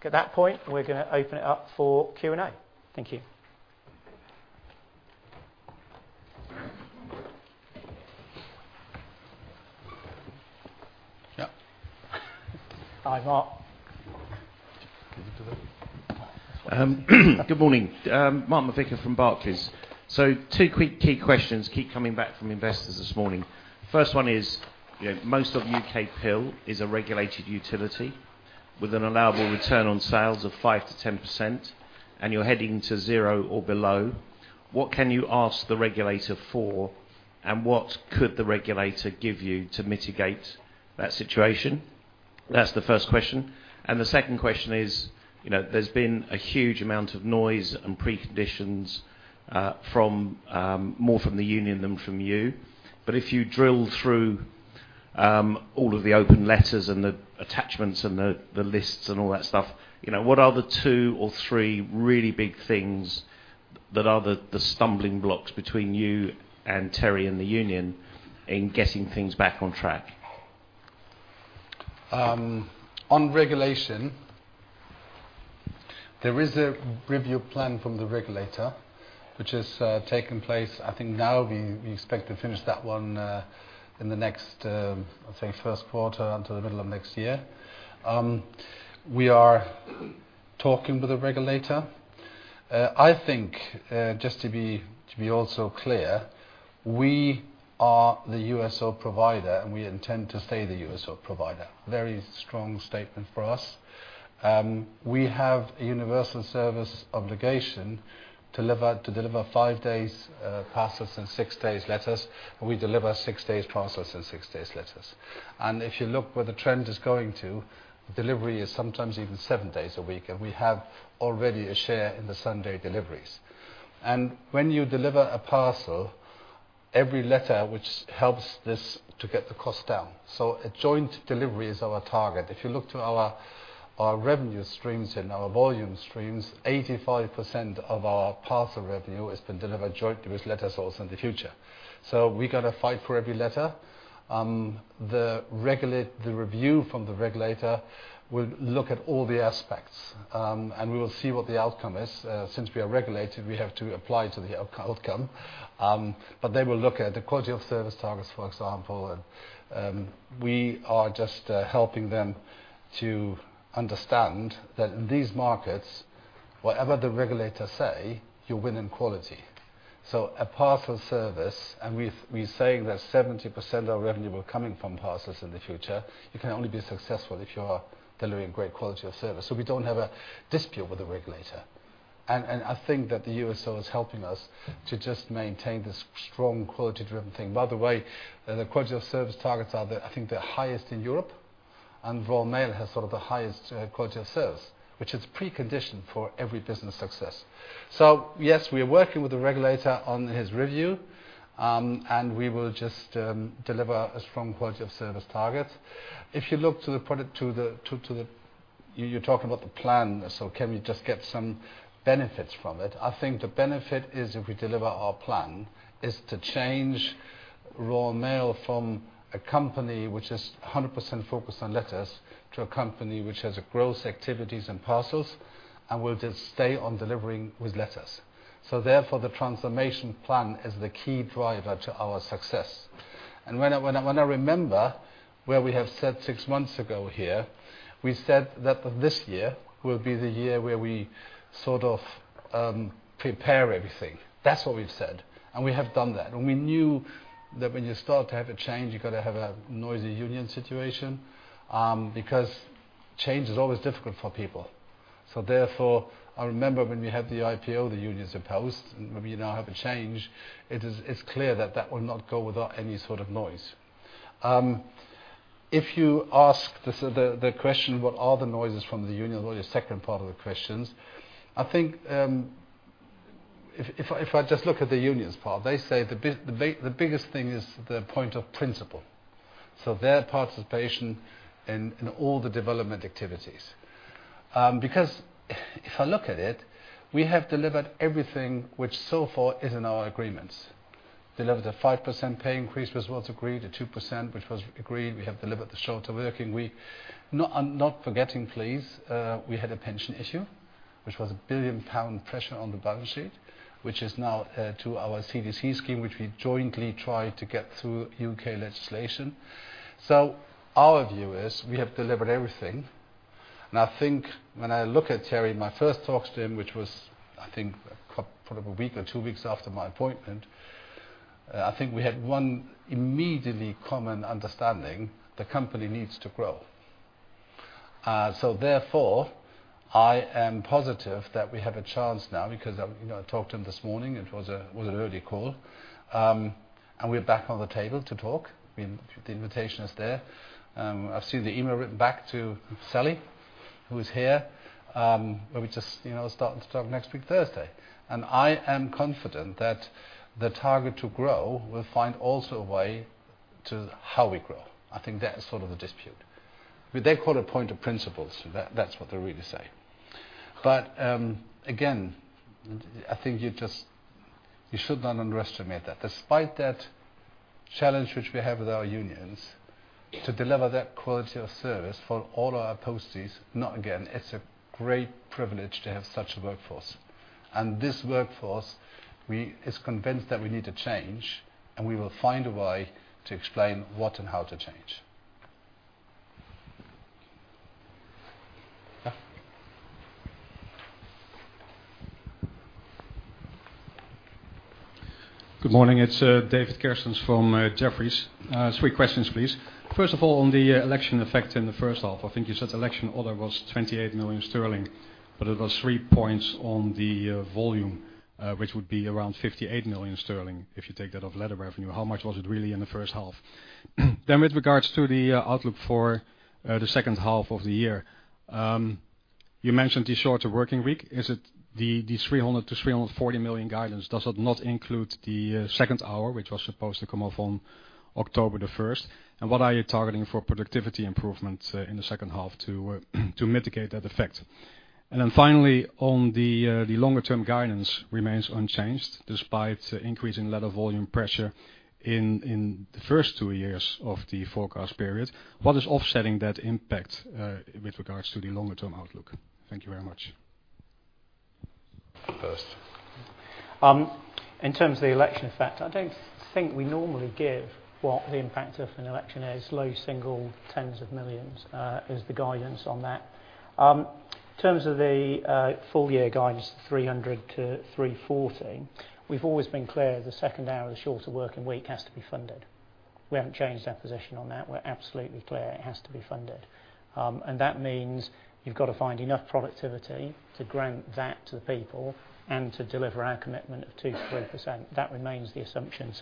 At that point, we're going to open it up for Q&A. Thank you. Yeah. Hi, Mark. Good morning. Mark McVicker from Barclays. Two quick key questions keep coming back from investors this morning. First one is, most of UKPIL is a regulated utility with an allowable return on sales of 5%-10%, and you're heading to zero or below. What can you ask the regulator for, and what could the regulator give you to mitigate that situation? That's the first question. The second question is, there's been a huge amount of noise and preconditions, more from the union than from you. If you drill through all of the open letters and the attachments and the lists and all that stuff, what are the two or three really big things that are the stumbling blocks between you and Terry and the union in getting things back on track? On regulation, there is a review plan from the regulator, which has taken place. Now we expect to finish that one in the next first quarter until the middle of next year. We are talking with the regulator. Just to be also clear, we are the USO provider. We intend to stay the USO provider. Very strong statement for us. We have a universal service obligation to deliver five days parcels and six days letters. We deliver six days parcels and six days letters. If you look where the trend is going to, delivery is sometimes even seven days a week. We have already a share in the Sunday deliveries. When you deliver a parcel, every letter which helps this to get the cost down. A joint delivery is our target. If you look to our revenue streams and our volume streams, 85% of our parcel revenue has been delivered jointly with letters also in the future. We got to fight for every letter. The review from the regulator will look at all the aspects, and we will see what the outcome is. Since we are regulated, we have to apply to the outcome. They will look at the quality of service targets, for example. We are just helping them to understand that in these markets, whatever the regulators say, you win in quality. A parcel service, and we're saying that 70% of revenue will coming from parcels in the future, you can only be successful if you are delivering great quality of service. We don't have a dispute with the regulator. I think that the USO is helping us to just maintain this strong quality-driven thing. By the way, the quality of service targets are, I think, the highest in Europe, and Royal Mail has the highest quality of service, which is precondition for every business success. Yes, we are working with the regulator on his review, and we will just deliver a strong quality of service target. You talk about the plan, can we just get some benefits from it? I think the benefit is if we deliver our plan is to change Royal Mail from a company which is 100% focused on letters, to a company which has growth activities and parcels, and will just stay on delivering with letters. Therefore, the transformation plan is the key driver to our success. When I remember where we have said six months ago here, we said that this year will be the year where we prepare everything. That's what we've said, and we have done that. We knew that when you start to have a change, you're going to have a noisy union situation, because change is always difficult for people. Therefore, I remember when we had the IPO, the unions opposed. When we now have a change, it's clear that that will not go without any sort of noise. If you ask the question, what are the noises from the union? Was your second part of the questions. I think, if I just look at the union's part, they say the biggest thing is the point of principle. Their participation in all the development activities. If I look at it, we have delivered everything which so far is in our agreements. Delivered a 5% pay increase, was what was agreed, a 2%, which was agreed. We have delivered the shorter working week. Not forgetting, please, we had a pension issue, which was a 1 billion pound pressure on the balance sheet, which is now to our CDC scheme, which we jointly tried to get through U.K. legislation. Our view is we have delivered everything, and I think when I look at Terry, my first talks to him, which was, I think probably a week or two weeks after my appointment, I think we had one immediately common understanding. The company needs to grow. Therefore, I am positive that we have a chance now, because I talked to him this morning. It was an early call. We're back on the table to talk. The invitation is there. I've seen the email written back to Sally, who is here, where we just start to talk next week, Thursday. I am confident that the target to grow will find also a way to how we grow. I think that is sort of the dispute. They call it point of principles, that's what they really say. Again, I think you should not underestimate that despite that challenge which we have with our unions to deliver that quality of service for all our posties, now again, it's a great privilege to have such a workforce. This workforce is convinced that we need to change, and we will find a way to explain what and how to change. Yeah. Good morning. It's David Kerstens from Jefferies. Three questions please. First of all, on the election effect in the first half, I think you said election order was 28 million sterling, but it was three points on the volume, which would be around 58 million sterling, if you take that off letter revenue. How much was it really in the first half? With regards to the outlook for the second half of the year. You mentioned the shorter working week. Is it the 300 million-340 million guidance? Does it not include the second hour, which was supposed to come off on October 1st? What are you targeting for productivity improvement in the second half to mitigate that effect? Then finally, on the longer term guidance remains unchanged despite increasing letter volume pressure in the first two years of the forecast period. What is offsetting that impact, with regards to the longer term outlook? Thank you very much. Stuart. In terms of the election effect, I don't think we normally give what the impact of an election is. Low single GBP tens of millions, is the guidance on that. In terms of the full year guidance, 300 million-340 million, we've always been clear, the second hour of the shorter working week has to be funded. We haven't changed our position on that. We're absolutely clear it has to be funded. That means you've got to find enough productivity to grant that to the people and to deliver our commitment of 2%-3%. That remains the assumption.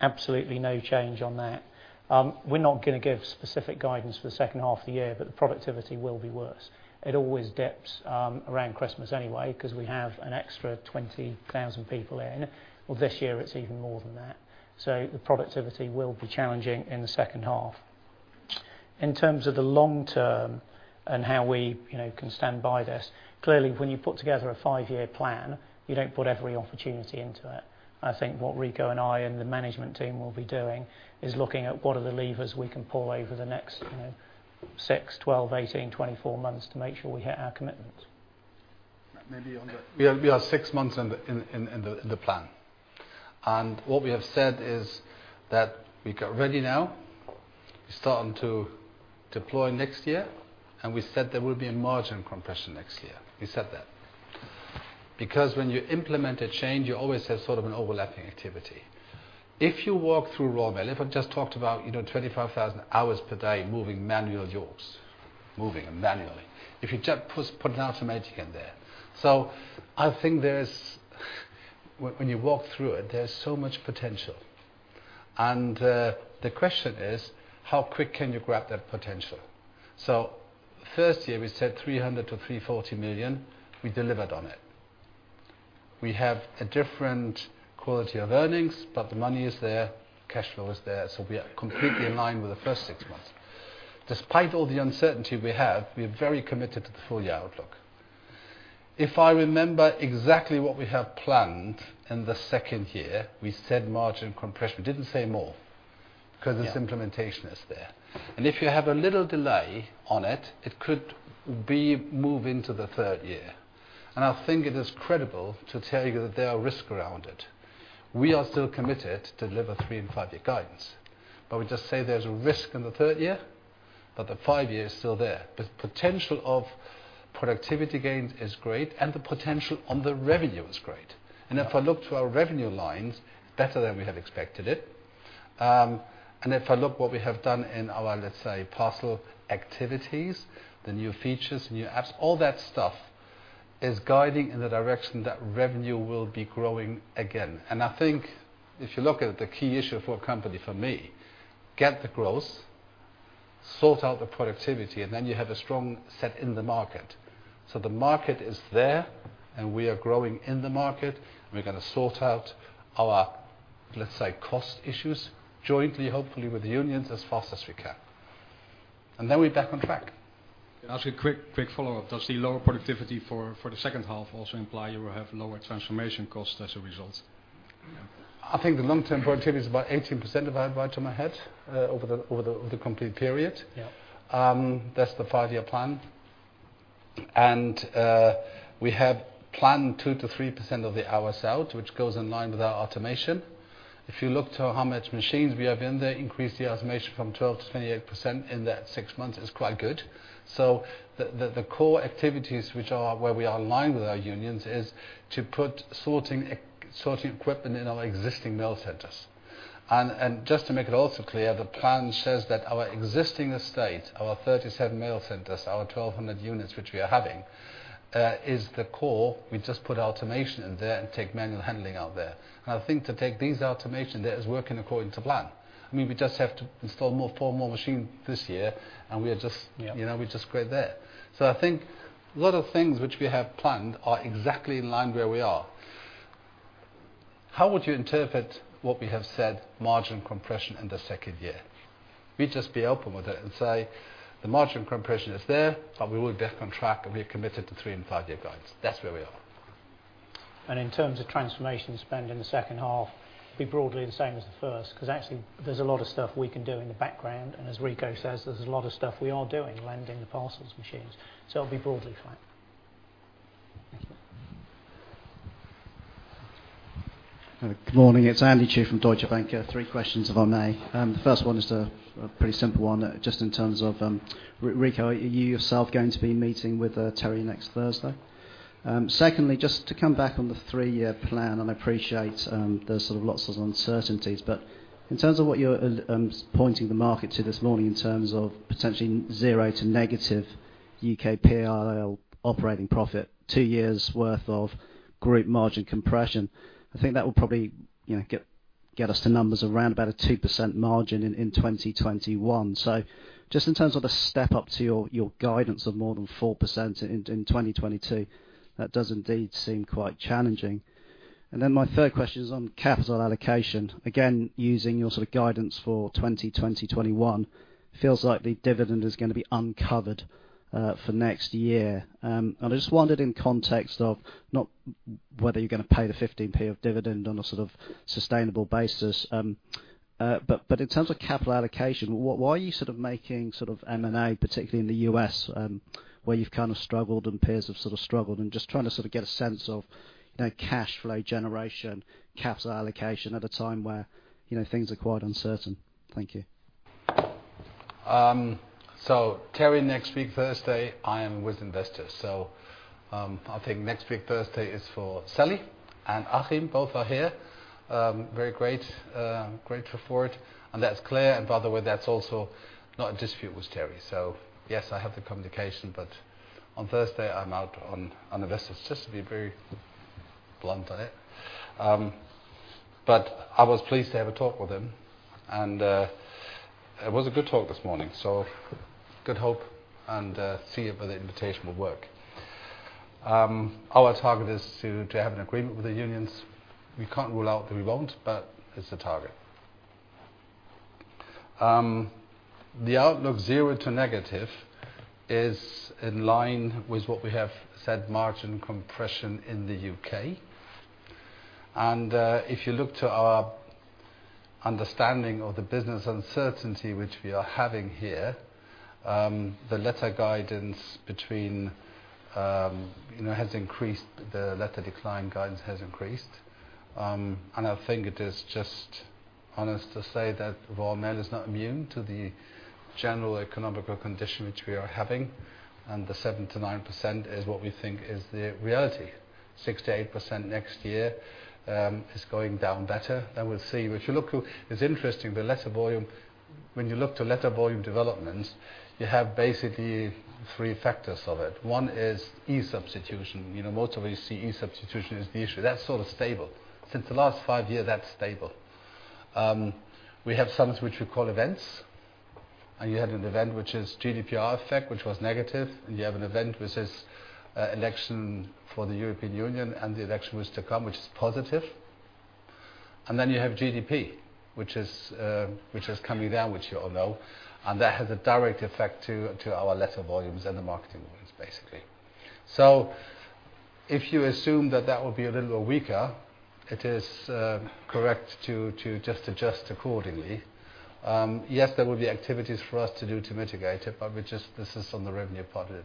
Absolutely no change on that. We're not gonna give specific guidance for the second half of the year, the productivity will be worse. It always dips around Christmas anyway, because we have an extra 20,000 people in. This year it's even more than that. The productivity will be challenging in the second half. In terms of the long term and how we can stand by this. Clearly, when you put together a five-year plan, you don't put every opportunity into it. I think what Rico and I and the management team will be doing is looking at what are the levers we can pull over the next six, 12, 18, 24 months to make sure we hit our commitments. We are six months in the plan. What we have said is that we're ready now, we're starting to deploy next year, and we said there will be a margin compression next year. We said that. When you implement a change, you always have sort of an overlapping activity. If you walk through Royal Mail, if I just talked about 25,000 hours per day moving manual Yorks, moving manually. If you just put an automatic in there. I think when you walk through it, there's so much potential. The question is, how quick can you grab that potential? The first year we said 300 million-340 million, we delivered on it. We have a different quality of earnings, the money is there, cash flow is there. We are completely in line with the first six months. Despite all the uncertainty we have, we are very committed to the full year outlook. If I remember exactly what we have planned in the second year, we said margin compression. We didn't say more, because its implementation is there. If you have a little delay on it could be move into the third year. I think it is credible to tell you that there are risk around it. We are still committed to deliver three and five-year guidance. We just say there's a risk in the third year, but the five year is still there. The potential of productivity gains is great, and the potential on the revenue is great. If I look to our revenue lines, better than we have expected it. If I look what we have done in our, let's say, parcel activities, the new features, new apps, all that stuff is guiding in the direction that revenue will be growing again. I think if you look at the key issue for a company for me, get the growth, sort out the productivity, and then you have a strong set in the market. The market is there, and we are growing in the market, and we're going to sort out our, let's say, cost issues jointly, hopefully, with the unions as fast as we can. Then we're back on track. Can I ask you a quick follow-up? Does the lower productivity for the second half also imply you will have lower transformation costs as a result? Yeah. I think the long-term productivity is about 18%, if I advise from my head, over the complete period. Yeah. That's the five-year plan. We have planned 2%-3% of the hours out, which goes in line with our automation. If you look to how much machines we have in there, increase the automation from 12% to 28% in that six months is quite good. The core activities, which are where we are aligned with our unions, is to put sorting equipment in our existing mail centers. Just to make it also clear, the plan says that our existing estate, our 37 mail centers, our 1,200 units which we are having, is the core. We just put automation in there and take manual handling out there. I think to take these automation there is working according to plan. We just have to install more four more machine this year. Yeah we're just great there. I think a lot of things which we have planned are exactly in line where we are. How would you interpret what we have said margin compression in the second year? We just be open with it and say, "The margin compression is there, so we will get on track, and we are committed to three and five-year guidance." That's where we are. In terms of transformation spend in the second half, it'd be broadly the same as the first, because actually, there's a lot of stuff we can do in the background. As Rico says, there's a lot of stuff we are doing, lending the parcels machines. It'll be broadly flat. Thank you. Good morning. It is Andy Chu from Deutsche Bank. Three questions, if I may. The first one is a pretty simple one, just in terms of, Rico, are you yourself going to be meeting with Terry next Thursday? Secondly, just to come back on the three-year plan, and I appreciate there is sort of lots of uncertainties, but in terms of what you are pointing the market to this morning in terms of potentially zero to negative UKPIL operating profit, two years worth of group margin compression. I think that will probably get us to numbers around about a 2% margin in 2021. Just in terms of a step up to your guidance of more than 4% in 2022, that does indeed seem quite challenging. My third question is on capital allocation. Again, using your sort of guidance for 2020, 2021, feels like the dividend is going to be uncovered for next year. I just wondered in context of not whether you're going to pay the 0.15 of dividend on a sort of sustainable basis. In terms of capital allocation, why are you sort of making sort of M&A, particularly in the U.S., where you've kind of struggled and peers have sort of struggled and just trying to sort of get a sense of cash flow generation, capital allocation at a time where things are quite uncertain. Thank you. Terry, next week, Thursday, I am with investors. I think next week Thursday is for Sally and Achim. Both are here. Very great for it. That's clear, and by the way, that's also not a dispute with Terry. Yes, I have the communication, but on Thursday, I'm out on investors. Just to be very blunt at it. I was pleased to have a talk with him. It was a good talk this morning. Good hope and see if the invitation will work. Our target is to have an agreement with the unions. We can't rule out that we won't, but it's a target. The outlook zero to negative is in line with what we have said margin compression in the U.K. If you look to our understanding of the business uncertainty which we are having here, the letter guidance has increased, the letter decline guidance has increased. I think it is just honest to say that Royal Mail is not immune to the general economic condition which we are having, and the 7%-9% is what we think is the reality. 6%-8% next year, is going down better. We'll see. If you look, it's interesting, the letter volume. When you look to letter volume developments, you have basically three factors of it. One is e-substitution. Most of you see e-substitution is the issue. That's sort of stable. Since the last five years, that's stable. We have some which we call events. You had an event which is GDPR effect, which was negative, and you have an event which is election for the European Union, and the election was to come, which is positive. Then you have GDP, which is coming down, which you all know. That has a direct effect to our letter volumes and the marketing volumes, basically. If you assume that that will be a little weaker, it is correct to just adjust accordingly. Yes, there will be activities for us to do to mitigate it, but this is on the revenue part of it.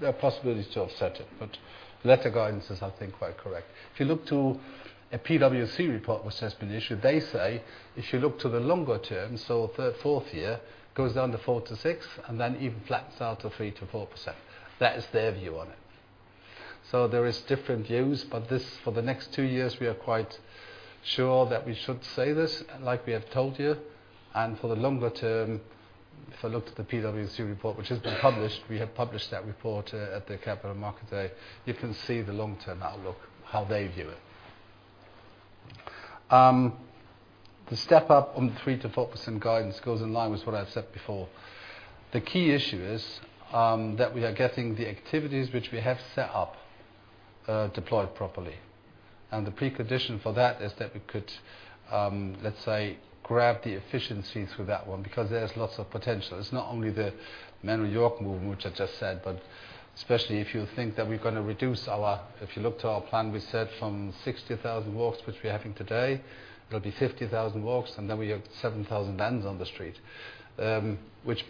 There are possibilities to offset it, but letter guidance is, I think, quite correct. If you look to a PwC report which has been issued, they say if you look to the longer term, so third, fourth year, goes down to 4%-6%, and then even flats out to 3%-4%. That is their view on it. There is different views, but this, for the next two years, we are quite sure that we should say this, like we have told you. For the longer term, if I looked at the PwC report, which has been published, we have published that report at the Capital Markets Day. You can see the long-term outlook, how they view it. The step-up on the 3%-4% guidance goes in line with what I've said before. The key issue is that we are getting the activities which we have set up deployed properly. The precondition for that is that we could, let's say, grab the efficiency through that one because there is lots of potential. It's not only the manual York move, which I just said, but especially if you think that we're going to reduce. If you look to our plan, we said from 60,000 walks, which we're having today, it'll be 50,000 walks, and then we have 7,000 vans on the street.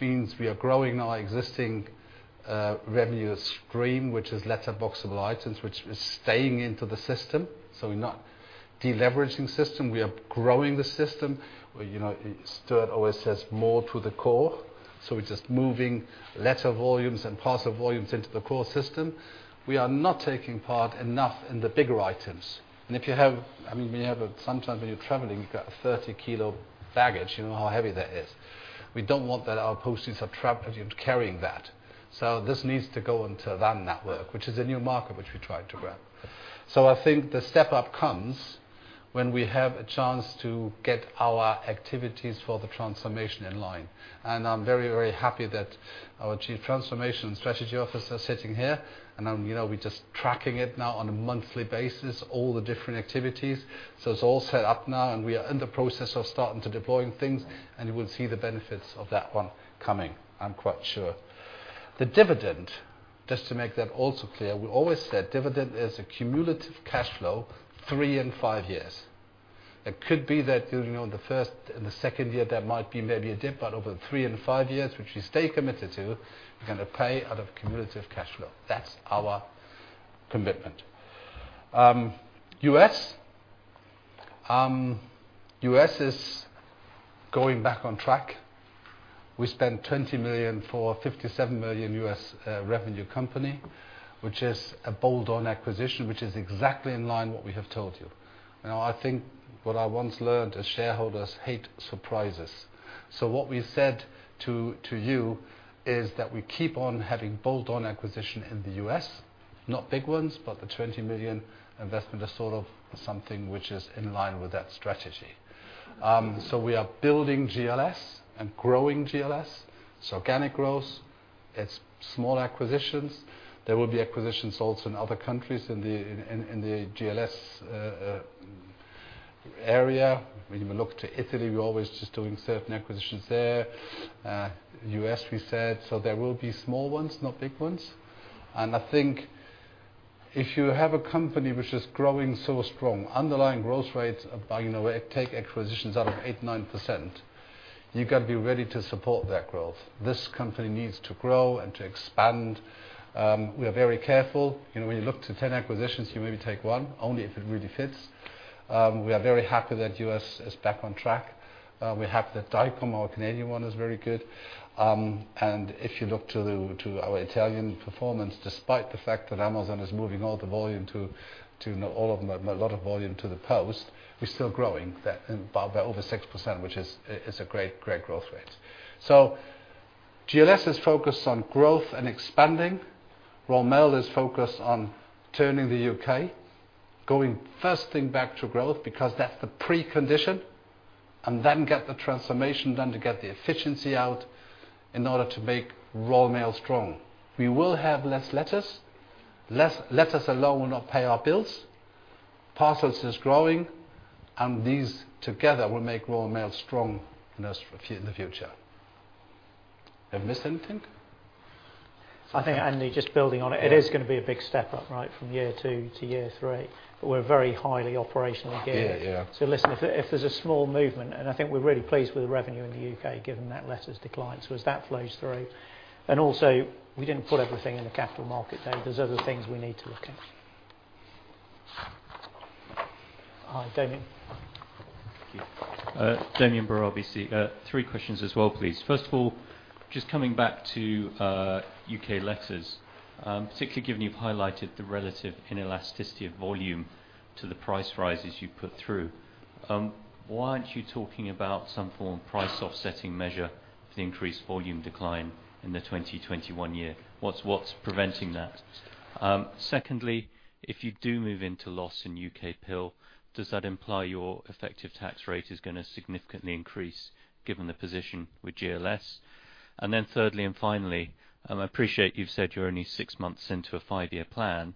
Means we are growing our existing revenue stream, which is letter boxable items, which is staying into the system. We're not de-leveraging system. We are growing the system. Stuart always says more to the core. We're just moving letter volumes and parcel volumes into the core system. We are not taking part enough in the bigger items. Sometimes when you're traveling, you've got a 30-kilo baggage. You know how heavy that is. We don't want our posties carrying that. This needs to go into van network, which is a new market which we try to grab. I think the step-up comes when we have a chance to get our activities for the transformation in line. I'm very, very happy that our Chief Transformation Strategy Officer sitting here, and we're just tracking it now on a monthly basis, all the different activities. It's all set up now and we are in the process of starting to deploying things, and you will see the benefits of that one coming. I'm quite sure. The dividend, just to make that also clear, we always said dividend is a cumulative cash flow, three and five years. It could be that during the first and the second year, there might be a dip, but over three and five years, which we stay committed to, we're going to pay out of cumulative cash flow. That's our commitment. U.S. U.S. is going back on track. We spent 20 million for a $57 million U.S. revenue company, which is a bolt-on acquisition, which is exactly in line what we have told you. I think what I once learned is shareholders hate surprises. What we said to you is that we keep on having bolt-on acquisition in the U.S., not big ones, but the 20 million investment is sort of something which is in line with that strategy. We are building GLS and growing GLS. It's organic growth. It's small acquisitions. There will be acquisitions also in other countries in the GLS area. When you look to Italy, we're always just doing certain acquisitions there. U.S., we said. There will be small ones, not big ones. I think if you have a company which is growing so strong, underlying growth rates take acquisitions out of eight, 9%, you got to be ready to support that growth. This company needs to grow and to expand. We are very careful. When you look to 10 acquisitions, you maybe take one, only if it really fits. We are very happy that U.S. is back on track. We have the Dicom, our Canadian one is very good. If you look to our Italian performance, despite the fact that Amazon is moving a lot of volume to the post, we're still growing by over 6%, which is a great growth rate. GLS is focused on growth and expanding. Royal Mail is focused on turning the U.K., going first thing back to growth because that's the precondition, then get the transformation done to get the efficiency out in order to make Royal Mail strong. We will have less letters. Letters alone will not pay our bills. Parcels is growing, these together will make Royal Mail strong in the future. Have I missed anything? I think, Andy, just building on it. It is going to be a big step up, right, from year two to year three. We're very highly operational gear. Yeah. Listen, if there's a small movement, and I think we're really pleased with the revenue in the U.K., given that letters decline. As that flows through, and also we didn't put everything in the Capital Markets Day there. There's other things we need to look at. Hi, Damian. Thank you. Damian Brewer, RBC. Three questions as well, please. First of all, just coming back to U.K. letters, particularly given you've highlighted the relative inelasticity of volume to the price rises you put through, why aren't you talking about some form of price offsetting measure for the increased volume decline in the 2021 year? What's preventing that? Secondly, if you do move into loss in UKPIL, does that imply your effective tax rate is going to significantly increase given the position with GLS? Thirdly and finally, I appreciate you've said you're only six months into a five-year plan,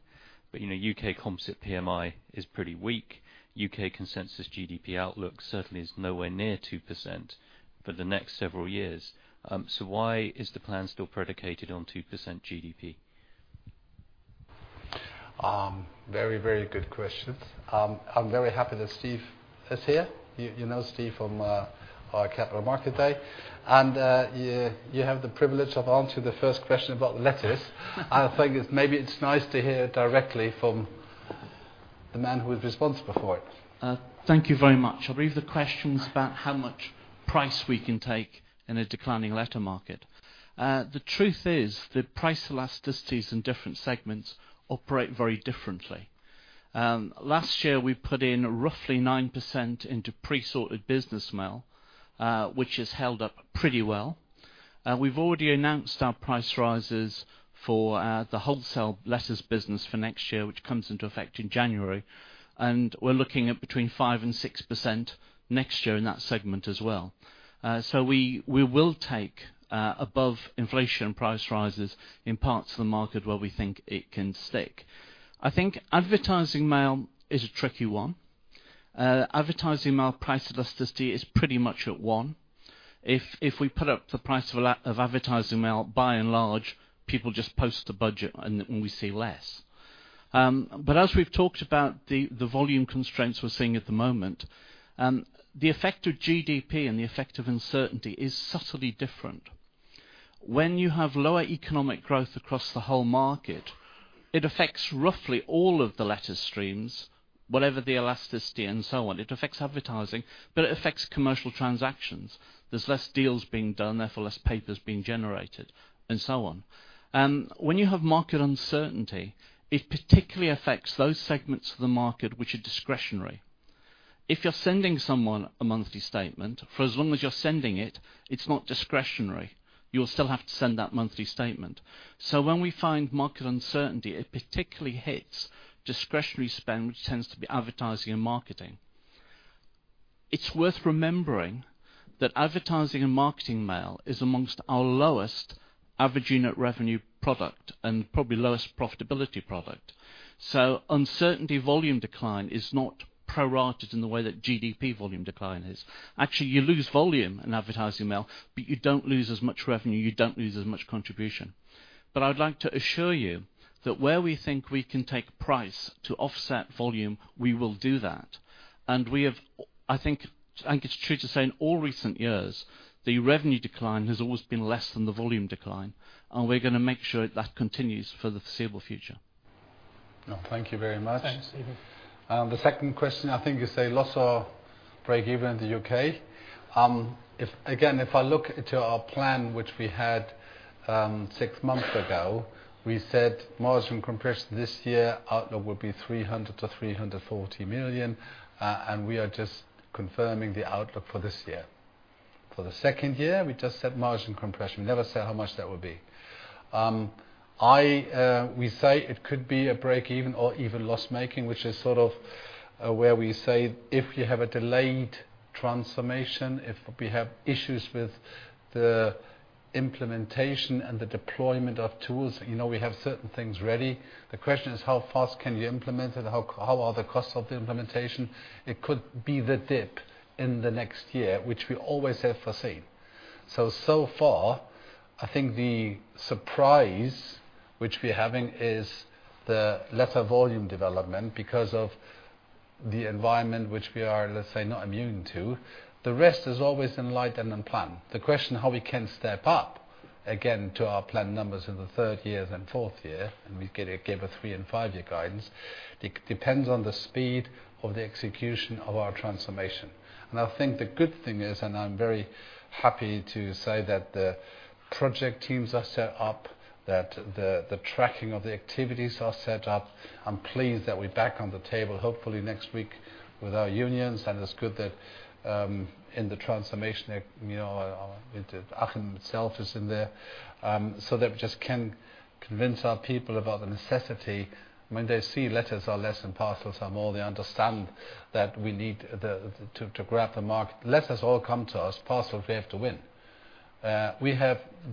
but U.K. composite PMI is pretty weak. U.K. consensus GDP outlook certainly is nowhere near 2% for the next several years. Why is the plan still predicated on 2% GDP? Very, very good questions. I'm very happy that Steve is here. You know Steve from our Capital Markets Day. You have the privilege of answering the first question about letters. I think maybe it's nice to hear directly from the man who is responsible for it. Thank you very much. I'll read the questions about how much price we can take in a declining letter market. The truth is that price elasticities in different segments operate very differently. Last year, we put in roughly 9% into presorted business mail, which has held up pretty well. We've already announced our price rises for the wholesale letters business for next year, which comes into effect in January, and we're looking at between 5% and 6% next year in that segment as well. We will take above-inflation price rises in parts of the market where we think it can stick. I think advertising mail is a tricky one. Advertising mail price elasticity is pretty much at one. If we put up the price of advertising mail, by and large, people just post a budget and we see less. As we've talked about the volume constraints we're seeing at the moment, the effect of GDP and the effect of uncertainty is subtly different. When you have lower economic growth across the whole market, it affects roughly all of the letter streams, whatever the elasticity and so on. It affects advertising, but it affects commercial transactions. There's less deals being done, therefore less papers being generated, and so on. When you have market uncertainty, it particularly affects those segments of the market which are discretionary. If you're sending someone a monthly statement, for as long as you're sending it's not discretionary. You'll still have to send that monthly statement. When we find market uncertainty, it particularly hits discretionary spend, which tends to be advertising and marketing. It's worth remembering that advertising and marketing mail is amongst our lowest average unit revenue product and probably lowest profitability product. Uncertainty volume decline is not prorated in the way that GDP volume decline is. Actually, you lose volume in advertising mail, but you don't lose as much revenue, you don't lose as much contribution. I'd like to assure you that where we think we can take price to offset volume, we will do that. I think it's true to say in all recent years, the revenue decline has always been less than the volume decline, and we're going to make sure that continues for the foreseeable future. Thank you very much. Thanks, Steven. The second question, I think you say loss or break even in the U.K. If I look to our plan, which we had six months ago, we said margin compression this year outlook will be 300 million-340 million. We are just confirming the outlook for this year. For the second year, we just said margin compression. Never said how much that would be. We say it could be a break even or even loss-making, which is sort of where we say if you have a delayed transformation, if we have issues with the implementation and the deployment of tools. We have certain things ready. The question is how fast can you implement it? How are the costs of the implementation? It could be the dip in the next year, which we always have foreseen. So far, I think the surprise which we're having is the letter volume development because of the environment which we are, let's say, not immune to. The rest is always in light and in plan. The question how we can step up again to our plan numbers in the third year and fourth year, and we give a three and five-year guidance. It depends on the speed of the execution of our transformation. I think the good thing is, and I'm very happy to say that the project teams are set up, that the tracking of the activities are set up. I'm pleased that we're back on the table, hopefully next week with our unions. It's good that in the transformation, Achim self is in there, so that we just can convince our people about the necessity. When they see letters are less and parcels are more, they understand that we need to grab the market. Letters all come to us. Parcels, we have to win.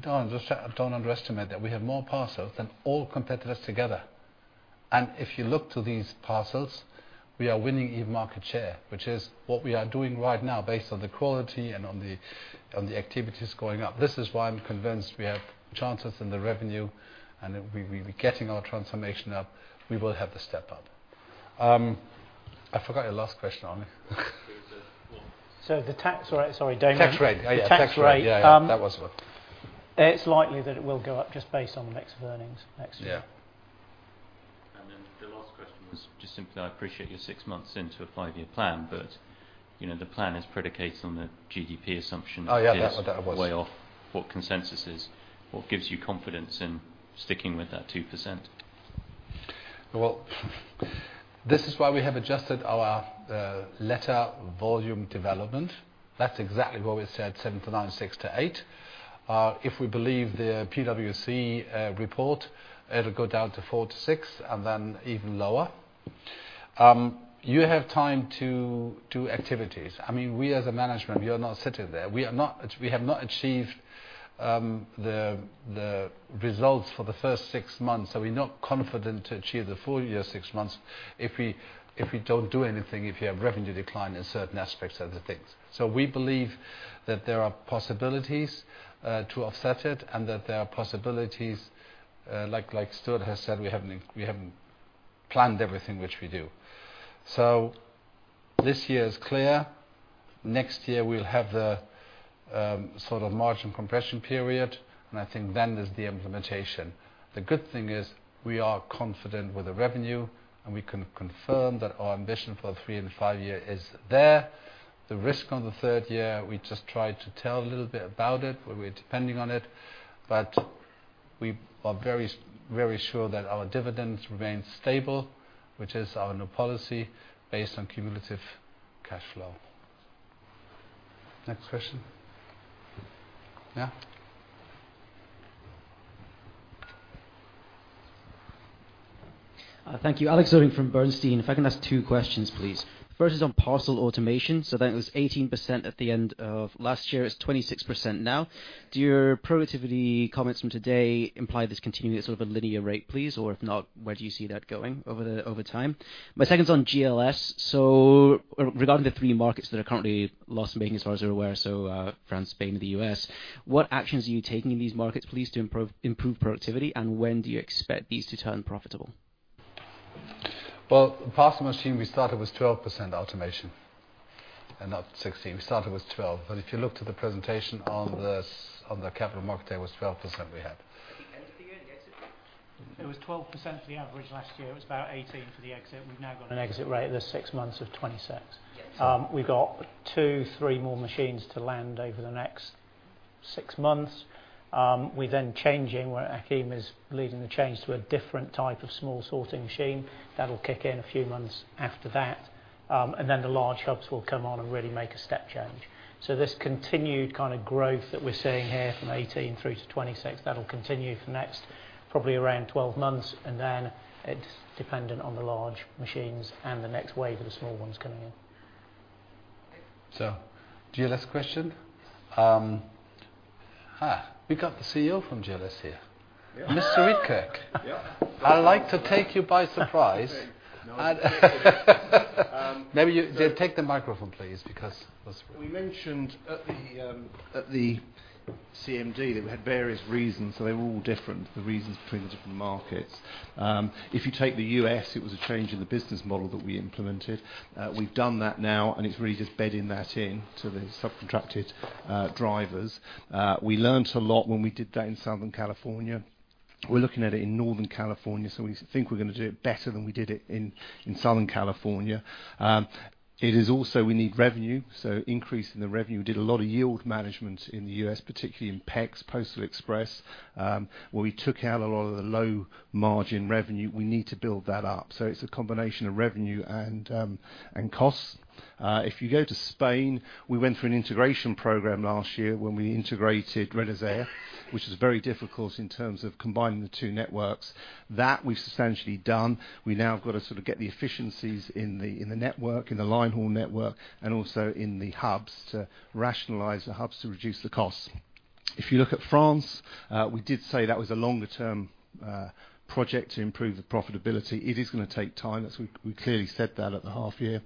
Don't underestimate that we have more parcels than all competitors together. If you look to these parcels, we are winning e-market share, which is what we are doing right now based on the quality and on the activities going up. This is why I'm convinced we have chances in the revenue, and we'll be getting our transformation up. We will have the step up. I forgot your last question, Damian. There was a fourth. The tax rate. Sorry, Damian. Tax rate. Yeah The tax rate. Yeah. That was it. It's likely that it will go up just based on the mix of earnings next year. Yeah. The last question was just simply, I appreciate you're six months into a five-year plan. The plan is predicated on the GDP assumption. Oh, yeah. That was. appears way off what consensus is. What gives you confidence in sticking with that 2%? Well, this is why we have adjusted our letter volume development. That is exactly what we said, seven to nine, six to eight. If we believe the PwC report, it will go down to four to six and then even lower. You have time to do activities. We as a management, we are not sitting there. We have not achieved the results for the first six months, so we are not confident to achieve the full year six months if we do not do anything, if you have revenue decline in certain aspects of the things. We believe that there are possibilities to offset it and that there are possibilities, like Stuart has said, we have not planned everything which we do. This year is clear. Next year, we will have the sort of margin compression period, and I think then there is the implementation. The good thing is we are confident with the revenue, and we can confirm that our ambition for three and five year is there. The risk on the third year, we just tried to tell a little bit about it, where we're depending on it. We are very sure that our dividends remain stable, which is our new policy based on cumulative cash flow. Next question. Yeah. Thank you. Alex Odell from Bernstein. If I can ask two questions, please. First is on parcel automation. That was 18% at the end of last year. It's 26% now. Do your productivity comments from today imply this continuing at sort of a linear rate, please? If not, where do you see that going over time? My second's on GLS. Regarding the three markets that are currently loss-making, as far as I'm aware, France, Spain, and the U.S., what actions are you taking in these markets, please, to improve productivity, and when do you expect these to turn profitable? Well, parcel machine, we started with 12% automation and not 16. We started with 12. If you look to the presentation on the Capital Markets Day, it was 12% we had. At the end of the year, the exit rate? It was 12% for the average last year. It was about 18 for the exit, and we've now got an exit rate this six months of 26. Yes. We got two, three more machines to land over the next six months. We're then changing, where Achim is leading the change to a different type of small sorting machine. That'll kick in a few months after that. The large hubs will come on and really make a step change. This continued kind of growth that we're seeing here from 18 through to 26, that'll continue for the next probably around 12 months, and then it's dependent on the large machines and the next wave of the small ones coming in. GLS question. We got the CEO from GLS here. Yeah. Mr. Reid Kirk. Yeah. I like to take you by surprise. Okay. No. Take the microphone, please. We mentioned at the CMD that we had various reasons. They were all different, the reasons between the different markets. If you take the U.S., it was a change in the business model that we implemented. We've done that now, and it's really just bedding that in to the subcontracted drivers. We learned a lot when we did that in Southern California. We're looking at it in Northern California, we think we're going to do it better than we did it in Southern California. It is also we need revenue, increasing the revenue. Did a lot of yield management in the U.S., particularly in PEX, Postal Express, where we took out a lot of the low-margin revenue. We need to build that up. It's a combination of revenue and costs. If you go to Spain, we went through an integration program last year when we integrated Redyser, which was very difficult in terms of combining the two networks. That we've substantially done. We now have got to sort of get the efficiencies in the network, in the line haul network, and also in the hubs to rationalize the hubs to reduce the costs. If you look at France, we did say that was a longer-term project to improve the profitability. It is going to take time, as we clearly said that at the half year.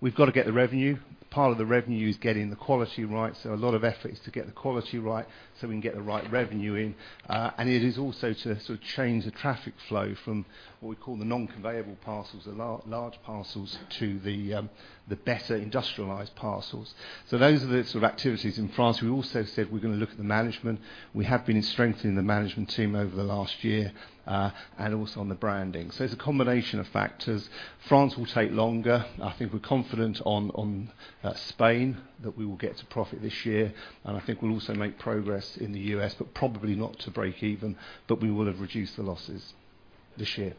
We've got to get the revenue. Part of the revenue is getting the quality right, so a lot of effort is to get the quality right so we can get the right revenue in. It is also to sort of change the traffic flow from what we call the non-conveyable parcels, the large parcels, to the better industrialized parcels. Those are the sort of activities in France. We also said we're going to look at the management. We have been strengthening the management team over the last year, and also on the branding. It's a combination of factors. France will take longer. I think we're confident on Spain that we will get to profit this year, and I think we'll also make progress in the U.S., but probably not to break even, but we would have reduced the losses this year.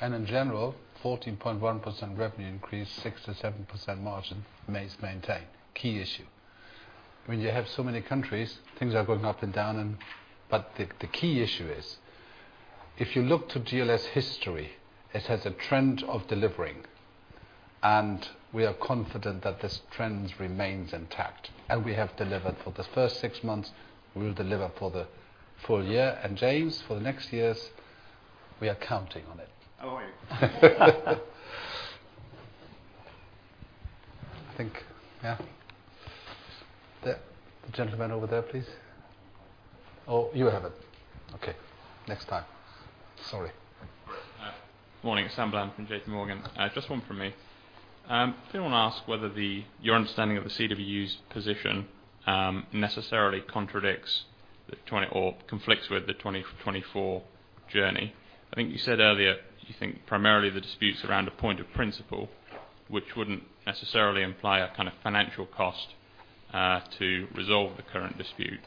In general, 14.1% revenue increase, 6%-7% margin is maintained. Key issue. When you have so many countries, things are going up and down. The key issue is, if you look to GLS history, it has a trend of delivering, and we are confident that this trend remains intact. We have delivered for the first six months, we will deliver for the full year. James, for the next years, we are counting on it. Oh, are you? I think, yeah. The gentleman over there, please. Oh, you have it. Okay. Next time. Sorry. Morning. Sam Bland from J.P. Morgan. Just one from me. I want to ask whether your understanding of the CWU's position necessarily contradicts or conflicts with the 2024 Journey. I think you said earlier you think primarily the dispute's around a point of principle, which wouldn't necessarily imply a financial cost to resolve the current dispute.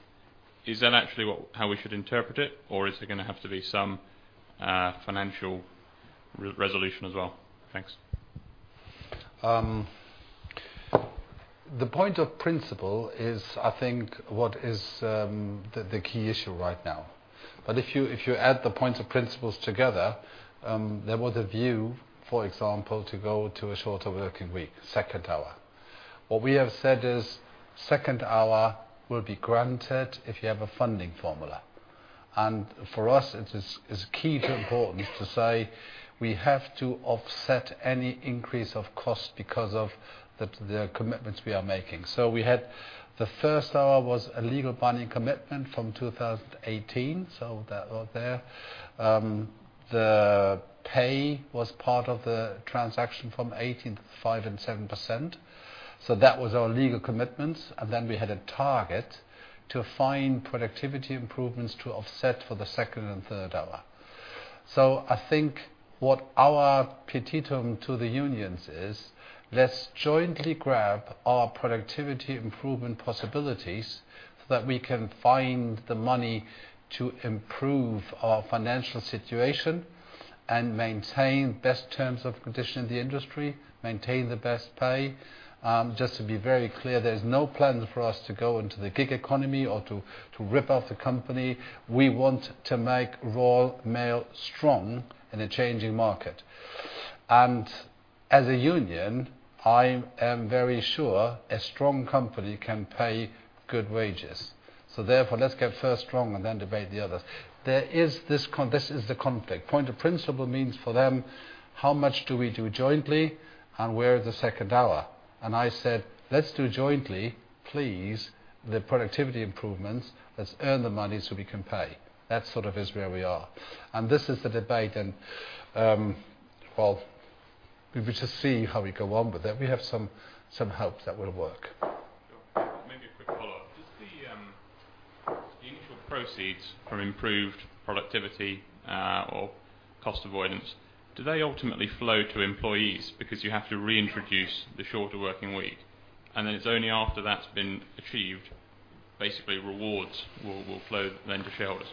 Is that actually how we should interpret it, or is there going to have to be some financial resolution as well? Thanks. The point of principle is, I think, what is the key issue right now. If you add the points of principles together, there was a view, for example, to go to a shorter working week, second hour. What we have said is second hour will be granted if you have a funding formula. For us, it is key to important to say we have to offset any increase of cost because of the commitments we are making. We had the first hour was a legal binding commitment from 2018, so that was there. The pay was part of the transaction from 2018, 5% and 7%. That was our legal commitment. We had a target to find productivity improvements to offset for the second and third hour. I think what our petitum to the unions is, let's jointly grab our productivity improvement possibilities so that we can find the money to improve our financial situation and maintain best terms of condition in the industry, maintain the best pay. Just to be very clear, there is no plan for us to go into the gig economy or to rip off the company. We want to make Royal Mail strong in a changing market. As a union, I am very sure a strong company can pay good wages. Therefore, let's get first strong and then debate the others. This is the conflict. Point of principle means for them, how much do we do jointly and where is the second hour? I said, let's do jointly, please, the productivity improvements. Let's earn the money so we can pay. That sort of is where we are. This is the debate and, well, we will just see how we go on with that. We have some hope that will work. Sure. Maybe a quick follow-up. Does the initial proceeds from improved productivity or cost avoidance, do they ultimately flow to employees because you have to reintroduce the shorter working week? It's only after that's been achieved, basically rewards will flow then to shareholders.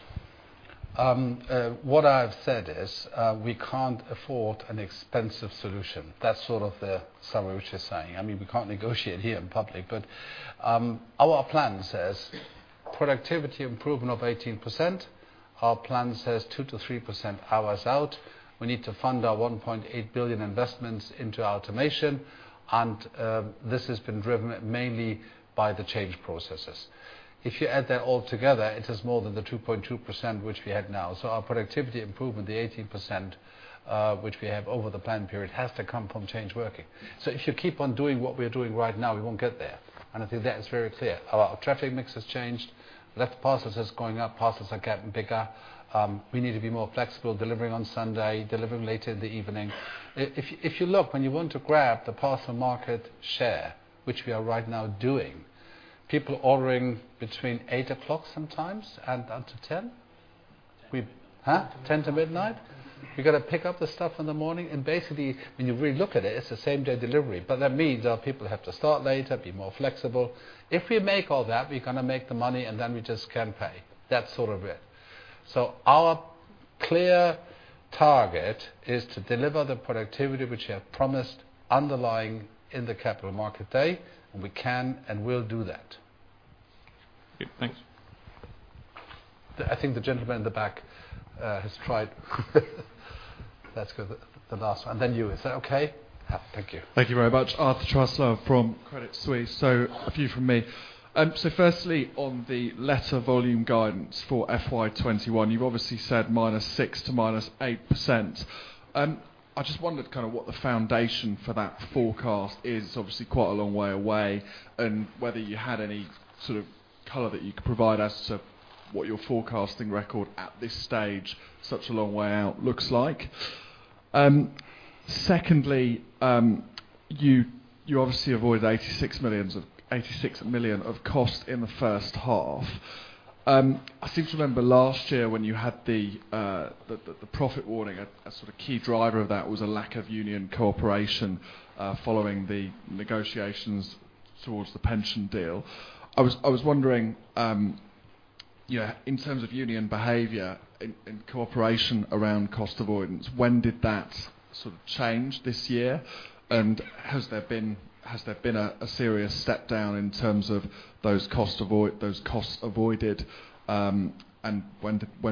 What I've said is we can't afford an expensive solution. That's sort of the summary which you're saying. Our plan says productivity improvement of 18%. Our plan says 2%-3% hours out. We need to fund our 1.8 billion investments into automation. This has been driven mainly by the change processes. If you add that all together, it is more than the 2.2%, which we had now. Our productivity improvement, the 18%, which we have over the plan period, has to come from change working. If you keep on doing what we're doing right now, we won't get there. I think that is very clear. Our traffic mix has changed. Left parcels is going up. Parcels are getting bigger. We need to be more flexible delivering on Sunday, delivering later in the evening. If you look, when you want to grab the parcel market share, which we are right now doing, people ordering between 8:00 sometimes and until 10:00? 10:00. Huh? 10:00 P.M. to midnight. We got to pick up the stuff in the morning, and basically when you really look at it's the same day delivery. That means our people have to start later, be more flexible. If we make all that, we're going to make the money and then we just can pay. That's sort of it. Our clear target is to deliver the productivity which we have promised underlying in the Capital Markets Day. We can and will do that. Okay, thanks. I think the gentleman in the back has tried. Let's go the last one, and then you. Is that okay? Thank you. Thank you very much. Arthur Truslove from Credit Suisse. A few from me. Firstly, on the letter volume guidance for FY 2021, you've obviously said -6% to -8%. I just wondered what the foundation for that forecast is. Obviously quite a long way away, and whether you had any sort of color that you could provide us what your forecasting record at this stage, such a long way out looks like. Secondly, you obviously avoided 86 million of cost in the first half. I seem to remember last year when you had the profit warning, a sort of key driver of that was a lack of union cooperation following the negotiations towards the pension deal. I was wondering, in terms of union behavior and cooperation around cost avoidance, when did that change this year? Has there been a serious step down in terms of those costs avoided? When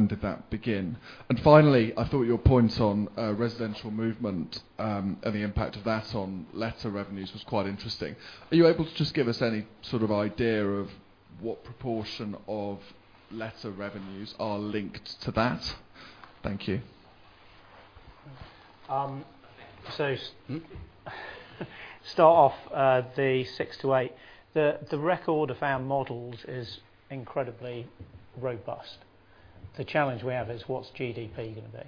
did that begin? Finally, I thought your point on residential movement and the impact of that on letter revenues was quite interesting. Are you able to just give us any sort of idea of what proportion of letter revenues are linked to that? Thank you. Start off the 6-8. The record of our models is incredibly robust. The challenge we have is what's GDP going to be?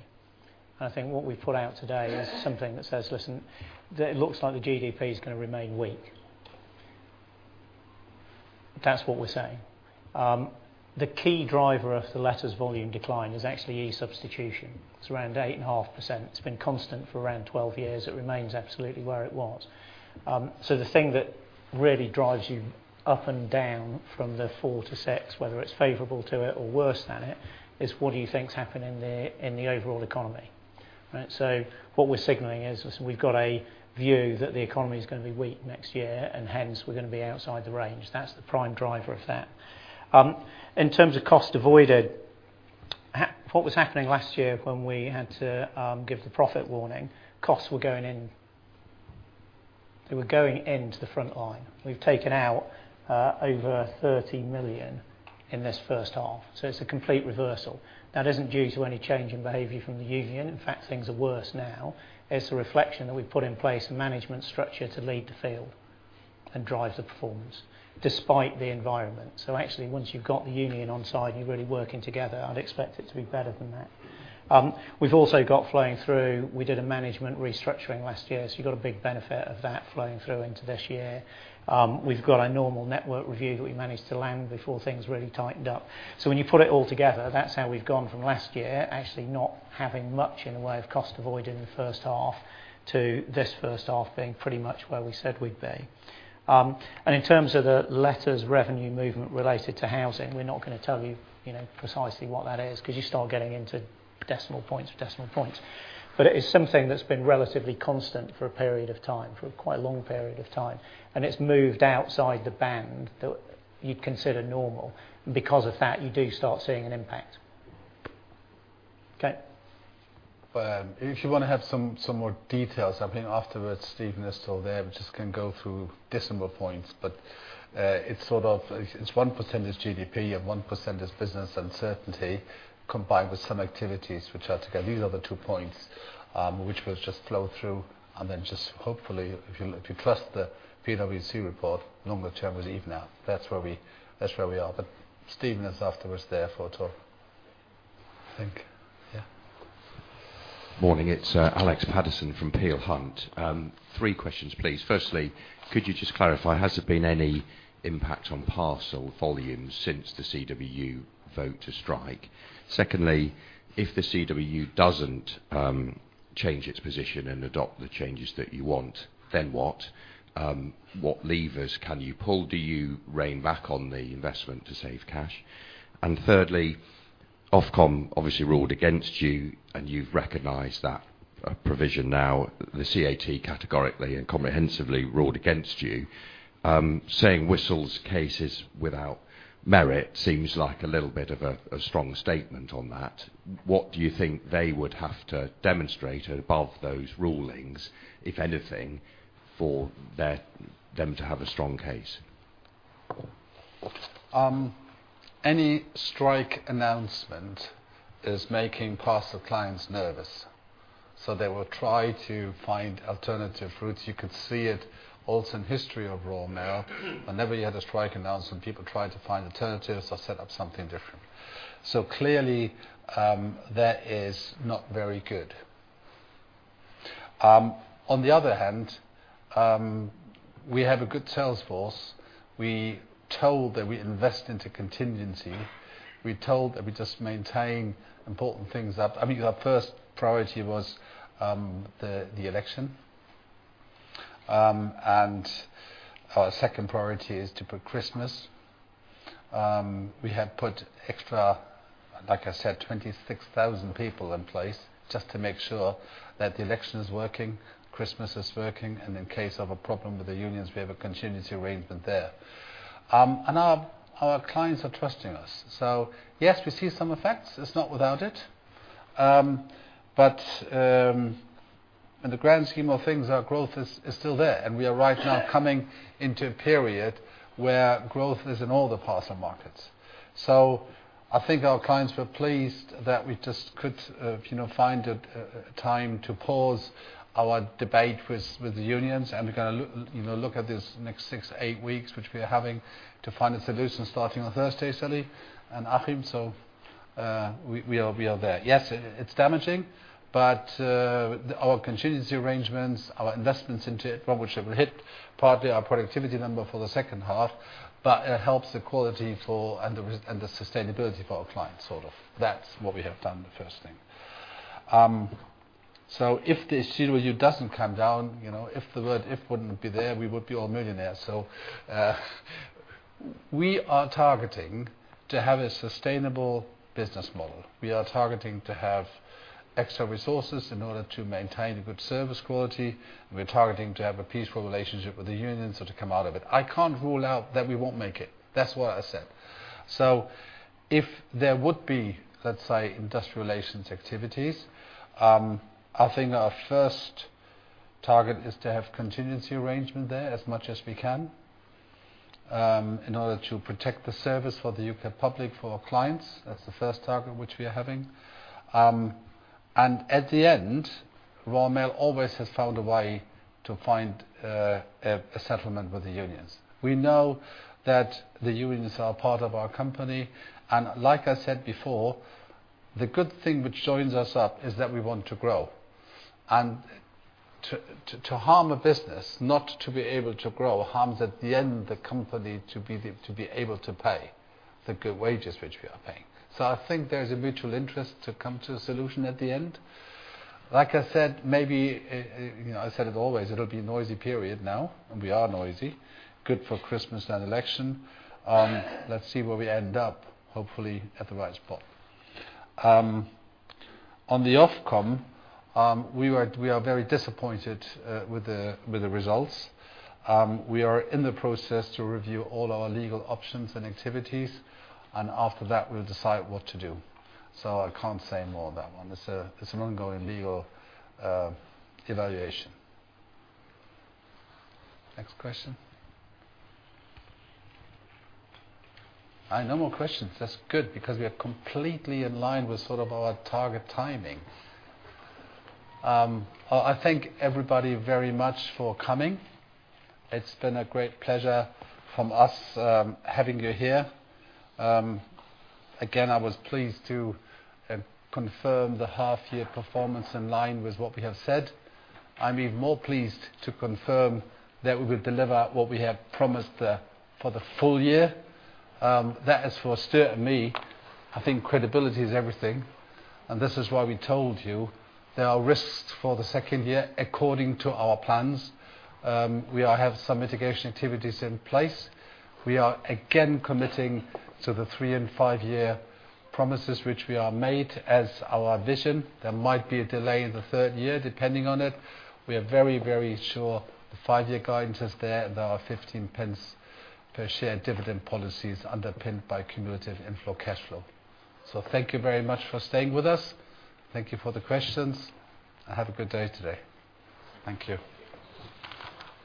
I think what we've put out today is something that says, "Listen, it looks like the GDP is going to remain weak." That's what we're saying. The key driver of the letters volume decline is actually e-substitution. It's around 8.5%. It's been constant for around 12 years. It remains absolutely where it was. The thing that really drives you up and down from the 4-6, whether it's favorable to it or worse than it, is what do you think is happening in the overall economy, right? What we're signaling is, listen, we've got a view that the economy's going to be weak next year, and hence, we're going to be outside the range. That's the prime driver of that. In terms of cost avoided, what was happening last year when we had to give the profit warning, costs were going in to the frontline. We've taken out over 30 million in this first half. It's a complete reversal. That isn't due to any change in behavior from the union. In fact, things are worse now. It's a reflection that we've put in place a management structure to lead the field and drive the performance despite the environment. Actually, once you've got the union on side, and you're really working together, I'd expect it to be better than that. We've also got flowing through, we did a management restructuring last year, so you got a big benefit of that flowing through into this year. We've got our normal network review that we managed to land before things really tightened up. When you put it all together, that's how we've gone from last year, actually not having much in the way of cost avoidance in the first half to this first half being pretty much where we said we'd be. In terms of the letters revenue movement related to housing, we're not going to tell you precisely what that is because you start getting into decimal points. It is something that's been relatively constant for a period of time, for quite a long period of time. It's moved outside the band that you'd consider normal. Because of that, you do start seeing an impact. Okay. If you want to have some more details, I think afterwards, Steven is still there. We just can go through decimal points. It's 1% is GDP and 1% is business uncertainty combined with some activities which are together. These are the two points, which will just flow through and then just hopefully, if you trust the PwC report, longer term is even out. That's where we are. Steven is afterwards there for a talk. Thank you. Yeah. Morning, it's Alex Paterson from Peel Hunt. Three questions, please. Firstly, could you just clarify, has there been any impact on parcel volumes since the CWU vote to strike? Secondly, if the CWU doesn't change its position and adopt the changes that you want, then what? What levers can you pull? Do you rein back on the investment to save cash? Thirdly, Ofcom obviously ruled against you, and you've recognized that provision now. The CAT categorically and comprehensively ruled against you. Saying Whistl case is without merit seems like a little bit of a strong statement on that. What do you think they would have to demonstrate above those rulings, if anything, for them to have a strong case? Any strike announcement is making parcel clients nervous. They will try to find alternative routes. You could see it also in history of Royal Mail. Whenever you had a strike announcement, people tried to find alternatives or set up something different. Clearly, that is not very good. On the other hand, we have a good sales force. We told that we invest into contingency. We told that we just maintain important things up. Our first priority was the election, and our second priority is to put Christmas. We have put extra, like I said, 26,000 people in place just to make sure that the election is working, Christmas is working, and in case of a problem with the unions, we have a contingency arrangement there. Our clients are trusting us. Yes, we see some effects. It's not without it. In the grand scheme of things, our growth is still there and we are right now coming into a period where growth is in all the parcel markets. I think our clients were pleased that we just could find a time to pause our debate with the unions, and we're going to look at this next six, eight weeks, which we are having to find a solution starting on Thursday, Sally and Achim. We are there. Yes, it's damaging. Our contingency arrangements, our investments into it, from which it will hit partly our productivity number for the second half, but it helps the quality and the sustainability for our clients. That's what we have done, the first thing. If the CWU doesn't come down, if the word if wouldn't be there, we would be all millionaires. We are targeting to have a sustainable business model. We are targeting to have extra resources in order to maintain a good service quality. We're targeting to have a peaceful relationship with the unions so to come out of it. I can't rule out that we won't make it. That's what I said. If there would be, let's say, industrial relations activities, I think our first target is to have contingency arrangement there as much as we can. In order to protect the service for the U.K. public, for our clients, that's the first target which we are having. At the end, Royal Mail always has found a way to find a settlement with the unions. We know that the unions are part of our company. Like I said before, the good thing which joins us up is that we want to grow. To harm a business, not to be able to grow, harms at the end the company to be able to pay the good wages which we are paying. I think there's a mutual interest to come to a solution at the end. Like I said, maybe, I said it always, it'll be noisy period now and we are noisy. Good for Christmas and election. Let's see where we end up, hopefully at the right spot. On the Ofcom, we are very disappointed with the results. We are in the process to review all our legal options and activities, and after that we'll decide what to do. I can't say more on that one. It's an ongoing legal evaluation. Next question. No more questions. That's good because we are completely in line with sort of our target timing. I thank everybody very much for coming. It's been a great pleasure from us having you here. I was pleased to confirm the half-year performance in line with what we have said. I'm even more pleased to confirm that we will deliver what we have promised for the full year. That is for Stuart and me. I think credibility is everything, and this is why we told you there are risks for the second year according to our plans. We have some mitigation activities in place. We are again committing to the three and five-year promises which we are made as our vision. There might be a delay in the third year, depending on it. We are very sure the five-year guidance is there and our 0.15 per share dividend policy is underpinned by cumulative inflow cash flow. Thank you very much for staying with us. Thank you for the questions, and have a good day today. Thank you.